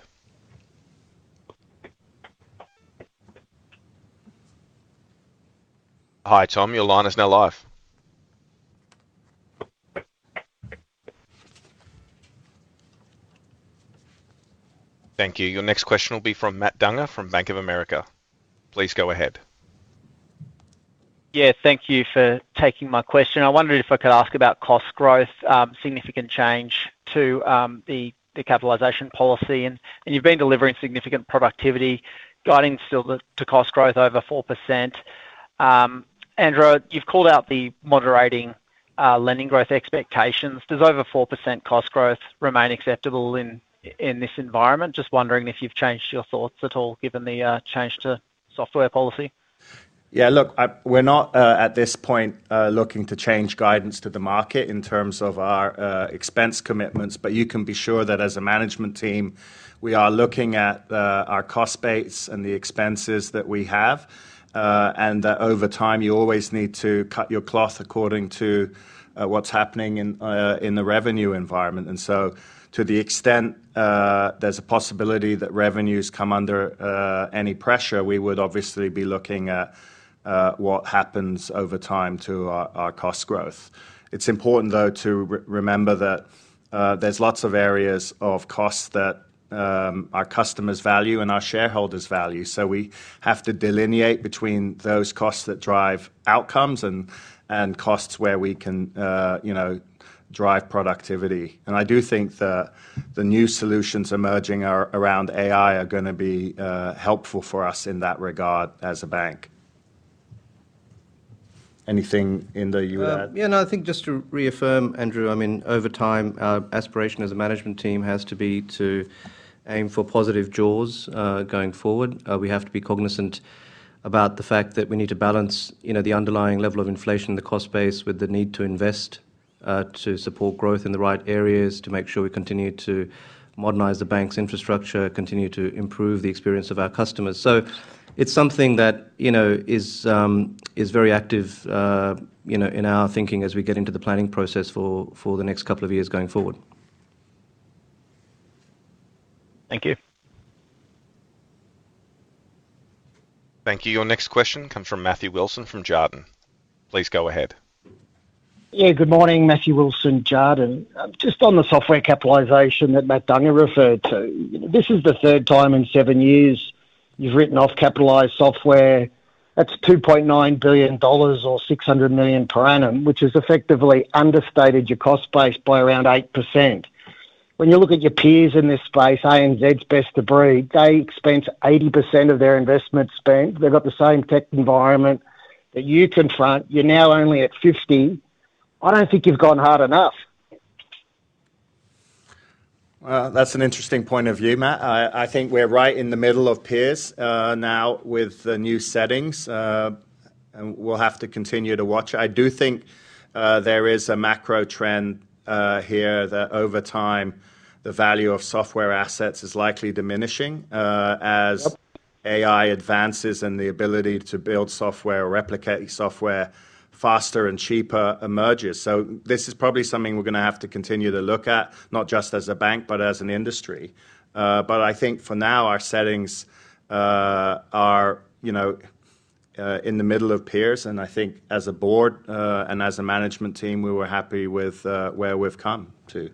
Hi, Tom, your line is now live. Thank you. Your next question will be from Matt Dunger from Bank of America. Please go ahead. Yeah, thank you for taking my question. I wondered if I could ask about cost growth, significant change to the capitalization policy. You've been delivering significant productivity, guiding still to cost growth over 4%. Andrew, you've called out the moderating lending growth expectations. Does over 4% cost growth remain acceptable in this environment? Just wondering if you've changed your thoughts at all given the change to software policy. Look, we're not at this point looking to change guidance to the market in terms of our expense commitments. You can be sure that as a management team, we are looking at our cost base and the expenses that we have. That over time you always need to cut your cloth according to what's happening in the revenue environment. To the extent there's a possibility that revenues come under any pressure, we would obviously be looking at what happens over time to our cost growth. It's important though to remember that there's lots of areas of costs that our customers value and our shareholders value. We have to delineate between those costs that drive outcomes and costs where we can, you know, drive productivity. I do think the new solutions emerging are, around AI are gonna be helpful for us in that regard as a bank. Anything in the U.S.? Yeah, no, I think just to reaffirm Andrew, I mean, over time, our aspiration as a management team has to be to aim for positive jaws, going forward. We have to be cognizant about the fact that we need to balance, you know, the underlying level of inflation, the cost base with the need to invest, to support growth in the right areas, to make sure we continue to modernize the bank's infrastructure, continue to improve the experience of our customers. It's something that, you know, is very active, you know, in our thinking as we get into the planning process for the next couple of years going forward. Thank you. Thank you. Your next question comes from Matthew Wilson from Jarden. Please go ahead. Yeah, good morning. Matthew Wilson, Jarden, just on the software capitalization that Matt Dunger referred to. This is the third time in seven years you've written off capitalized software. That's 2.9 billion dollars or 600 million per annum, which has effectively understated your cost base by around 8%. When you look at your peers in this space, ANZ's best of breed, they expense 80% of their investment spend. They've got the same tech environment that you confront. You're now only at 50. I don't think you've gone hard enough. Well, that's an interesting point of view, Matt. I think we're right in the middle of peers, now with the new settings. We'll have to continue to watch. I do think there is a macro trend here that over time the value of software assets is likely diminishing. AI advances and the ability to build software or replicate software faster and cheaper emerges. This is probably something we're gonna have to continue to look at, not just as a bank, but as an industry. I think for now, our settings are, you know, in the middle of peers. I think as a board and as a management team, we were happy with where we've come to.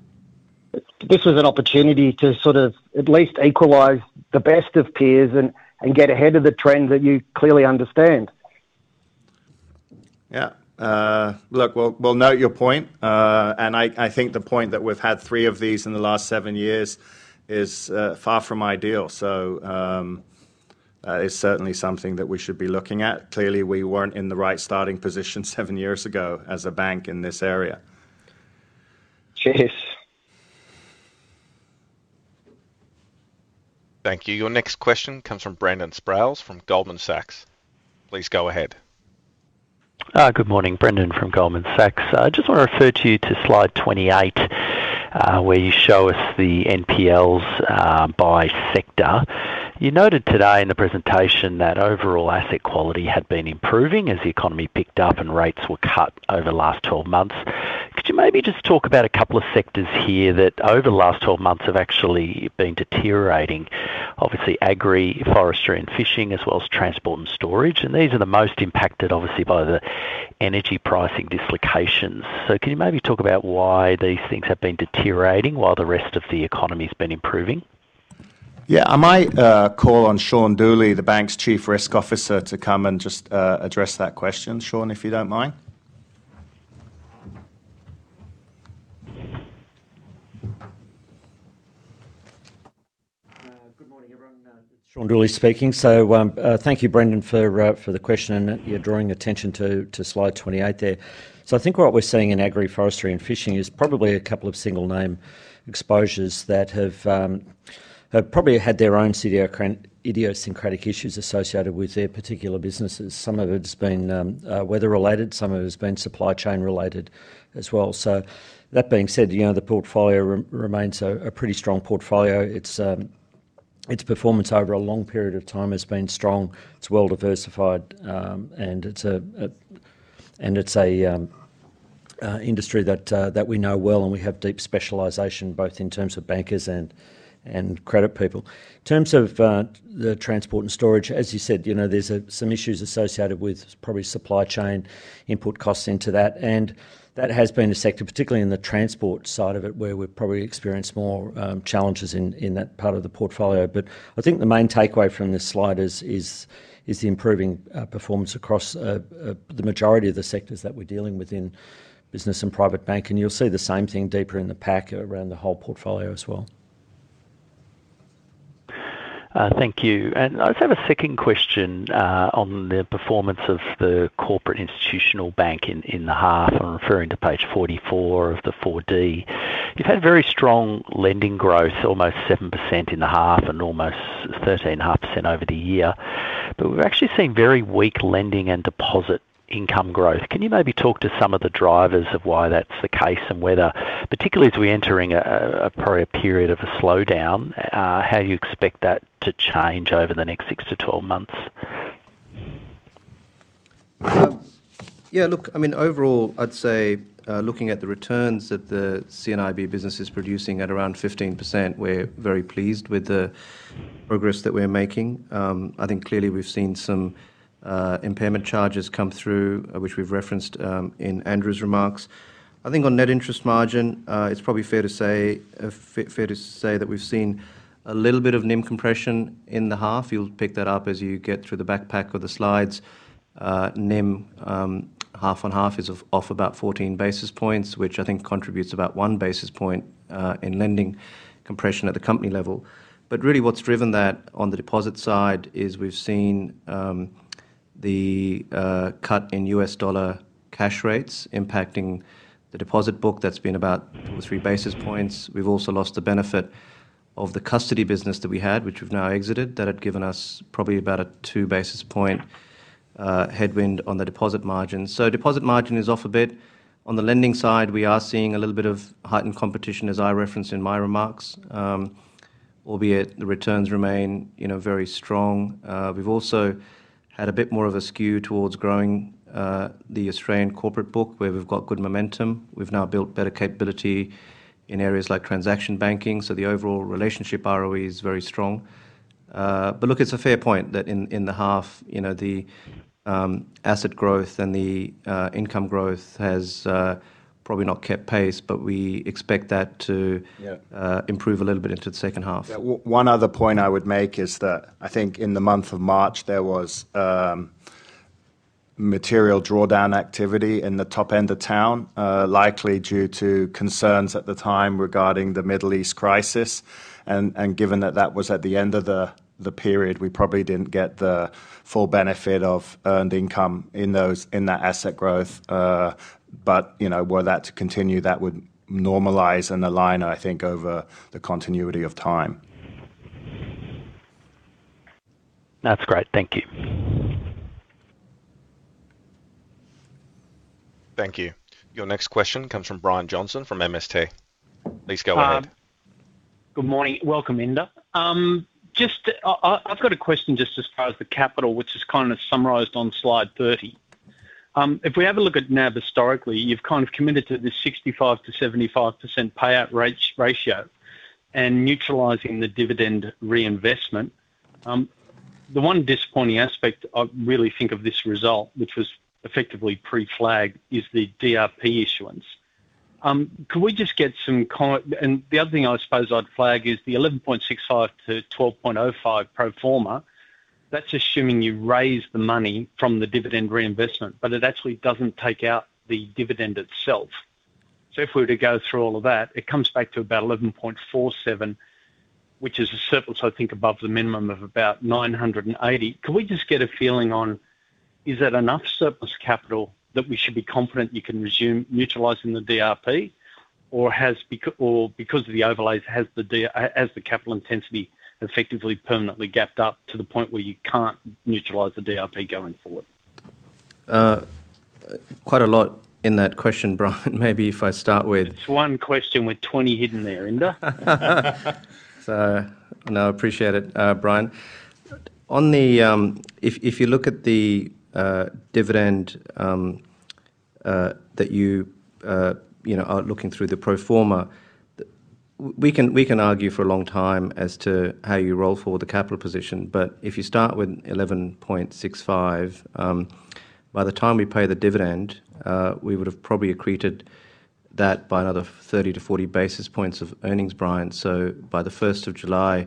This was an opportunity to sort of at least equalize the best of peers and get ahead of the trends that you clearly understand. Yeah. Look, we'll note your point. I think the point that we've had three of these in the last seven years is, far from ideal. It's certainly something that we should be looking at. Clearly, we weren't in the right starting positions seven years ago as a bank in this area. Cheers. Thank you. Your next question comes from Brendan Sproules from Goldman Sachs. Please go ahead. Good morning, Brendan from Goldman Sachs. I just wanna refer to you to slide 28, where you show us the NPLs by sector. You noted today in the presentation that overall asset quality had been improving as the economy picked up and rates were cut over the last 12 months. Could you maybe just talk about a couple of sectors here that over the last 12 months have actually been deteriorating? Obviously agri, forestry and fishing, as well as transport and storage. These are the most impacted obviously by the energy pricing dislocations. Can you maybe talk about why these things have been deteriorating while the rest of the economy's been improving? Yeah. I might call on Shaun Dooley, the bank's Chief Risk Officer, to come and just address that question. Shaun, if you don't mind. Shaun Dooley speaking. Thank you Brendan for the question, and you're drawing attention to slide 28 there. I think what we're seeing in agri, forestry and fishing is probably a couple of single name exposures that have probably had their own idiosyncratic issues associated with their particular businesses. Some of it's been weather-related, some of it has been supply chain related as well. That being said, you know, the portfolio remains a pretty strong portfolio. Its performance over a long period of time has been strong. It's well diversified, and it's an industry that we know well and we have deep specialization, both in terms of bankers and credit people. In terms of the transport and storage, as you said, you know, there's some issues associated with probably supply chain input costs into that, and that has been a sector, particularly in the transport side of it, where we've probably experienced more challenges in that part of the portfolio. I think the main takeaway from this slide is the improving performance across the majority of the sectors that we're dealing with in Business and Private Bank. You'll see the same thing deeper in the pack around the whole portfolio as well. Thank you. I just have a second question on the performance of the Corporate & Institutional Bank in the half. I'm referring to page 44 of the 4D. You've had very strong lending growth, almost 7% in the half and almost 13.5% over the year. We've actually seen very weak lending and deposit income growth. Can you maybe talk to some of the drivers of why that's the case and whether, particularly as we're entering a probably a period of a slowdown, how you expect that to change over the next 6-12 months? Look, I mean, overall, I'd say, looking at the returns that the C&IB business is producing at around 15%, we're very pleased with the progress that we're making. I think clearly we've seen some impairment charges come through, which we've referenced in Andrew's remarks. I think on net interest margin, it's probably fair to say, fair to say that we've seen a little bit of NIM compression in the half. You'll pick that up as you get through the backpack or the slides. NIM, half on half is off about 14 basis points, which I think contributes about 1 basis point in lending compression at the company level. Really what's driven that on the deposit side is we've seen the cut in U.S. dollar cash rates impacting the deposit book. That's been about 2 basis points to 3 basis points. We've also lost the benefit of the custody business that we had, which we've now exited. That had given us probably about a 2 basis point headwind on the deposit margin. Deposit margin is off a bit. On the lending side, we are seeing a little bit of heightened competition, as I referenced in my remarks. Albeit the returns remain, you know, very strong. We've also had a bit more of a skew towards growing the Australian corporate book where we've got good momentum. We've now built better capability in areas like transaction banking, so the overall relationship ROE is very strong. Look, it's a fair point that in the half, you know, the asset growth and the income growth has probably not kept pace improve a little bit into the second half. Yeah. One other point I would make is that I think in the month of March, there was material drawdown activity in the top end of town, likely due to concerns at the time regarding the Middle East crisis. Given that that was at the end of the period, we probably didn't get the full benefit of earned income in those, in that asset growth. You know, were that to continue, that would normalize and align, I think, over the continuity of time. That's great. Thank you. Thank you. Your next question comes from Brian Johnson from MST. Please go ahead. Good morning. Welcome, Inder. I've got a question just as far as the capital, which is kind of summarized on slide 30. If we have a look at NAB historically, you've kind of committed to the 65%-75% payout ratio, and neutralizing the dividend reinvestment. The one disappointing aspect I really think of this result, which was effectively pre-flagged, is the DRP issuance. Could we just get some. The other thing I suppose I'd flag is the 11.65%-12.05% pro forma. That's assuming you raise the money from the dividend reinvestment, but it actually doesn't take out the dividend itself. If we were to go through all of that, it comes back to about 11.47%, which is a surplus, I think, above the minimum of about 980 million. Can we just get a feeling on, is that enough surplus capital that we should be confident you can resume neutralizing the DRP? Or has, or because of the overlays, has the capital intensity effectively permanently gapped up to the point where you can't neutralize the DRP going forward? Quite a lot in that question, Brian. It's one question with 20 hidden there, Inder. No, appreciate it, Brian. On the, if you look at the dividend, that you know, are looking through the pro forma. We can argue for a long time as to how you roll forward the capital position. If you start with 11.65%, by the time we pay the dividend, we would have probably accreted that by another 30 basis points to 40 basis points of earnings, Brian. By the first of July,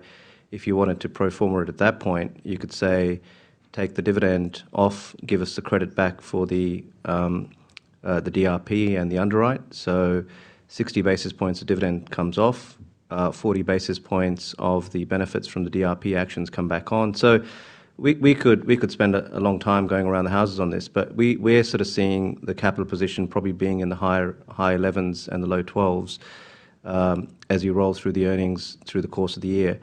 if you wanted to pro forma it at that point, you could say, take the dividend off, give us the credit back for the DRP and the underwrite. 60 basis points of dividend comes off, 40 basis points of the benefits from the DRP actions come back on. We could spend a long time going around the houses on this. We're sort of seeing the capital position probably being in the higher, high 11s and the low 12s as you roll through the earnings through the course of the year.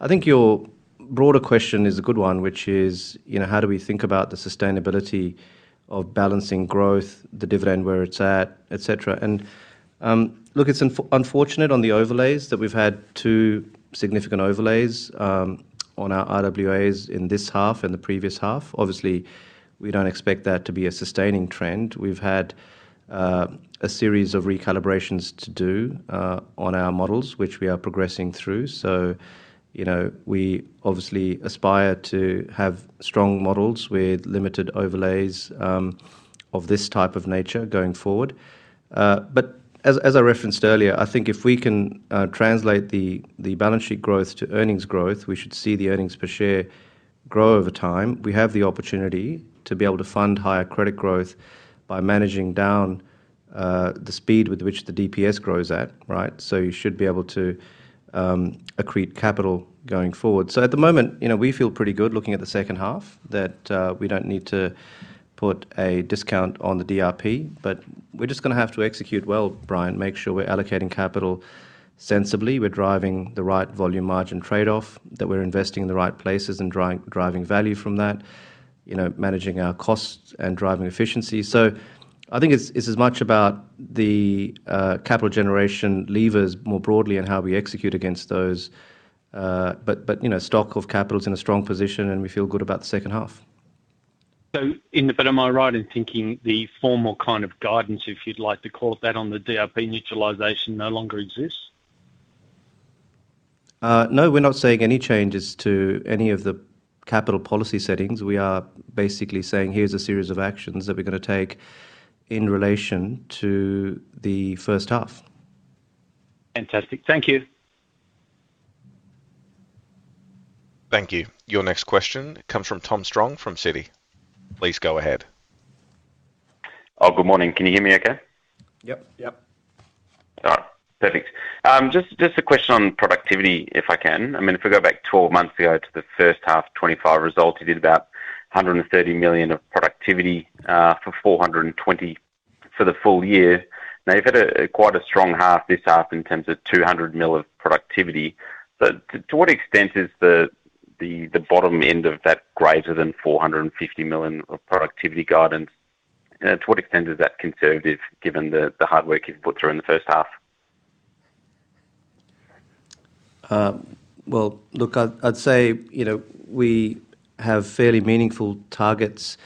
I think your broader question is a good one, which is, you know, how do we think about the sustainability of balancing growth, the dividend where it's at, etc. Look, it's unfortunate on the overlays that we've had two significant overlays on our RWAs in this half and the previous half. Obviously, we don't expect that to be a sustaining trend. We've had a series of recalibrations to do on our models, which we are progressing through. You know, we obviously aspire to have strong models with limited overlays of this type of nature going forward. As, as I referenced earlier, I think if we can translate the balance sheet growth to earnings growth, we should see the earnings per share grow over time. We have the opportunity to be able to fund higher credit growth by managing down the speed with which the DPS grows at, right? You should be able to accrete capital going forward. At the moment, you know, we feel pretty good looking at the second half that we don't need to put a discount on the DRP. We're just gonna have to execute well, Brian. Make sure we're allocating capital sensibly, we're driving the right volume margin trade-off, that we're investing in the right places and driving value from that. You know, managing our costs and driving efficiency. I think it's as much about the capital generation levers more broadly and how we execute against those. You know, stock of capital is in a strong position, and we feel good about the second half. Am I right in thinking the formal kind of guidance, if you'd like to call it that, on the DRP neutralization no longer exists? No, we're not seeing any changes to any of the capital policy settings. We are basically saying, "Here's a series of actions that we're gonna take in relation to the first half. Fantastic. Thank you. Thank you. Your next question comes from Tom Strong, from Citi. Please go ahead. Good morning. Can you hear me okay? Yep. All right. Perfect. I mean, just a question on productivity, if I can. If we go back 12 months ago to the first half 2025 results, you did about 130 million of productivity for 420 million for the full year. Now, you've had a quite a strong half this half in terms of 200 million of productivity. To what extent is the bottom end of that greater than 450 million of productivity guidance? And to what extent is that conservative given the hard work you've put through in the first half? Well, look, I'd say, you know, we have fairly meaningful targets.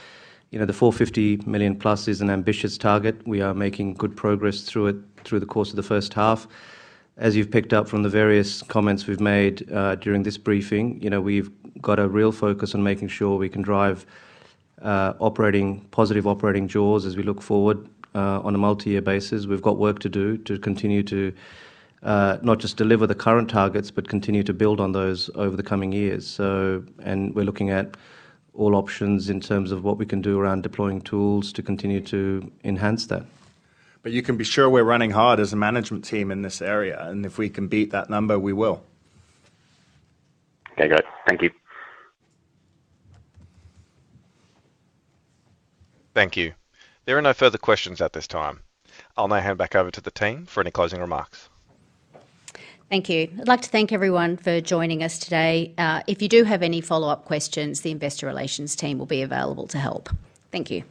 You know, the 450+ million is an ambitious target. We are making good progress through it through the course of the first half. As you've picked up from the various comments we've made, during this briefing, you know, we've got a real focus on making sure we can drive operating, positive operating jaws as we look forward on a multi-year basis. We've got work to do to continue to not just deliver the current targets, but continue to build on those over the coming years. We're looking at all options in terms of what we can do around deploying tools to continue to enhance that. You can be sure we're running hard as a management team in this area, and if we can beat that number, we will. Okay, great. Thank you. Thank you. There are no further questions at this time. I will now hand back over to the team for any closing remarks. Thank you. I'd like to thank everyone for joining us today. If you do have any follow-up questions, the Investor Relations team will be available to help. Thank you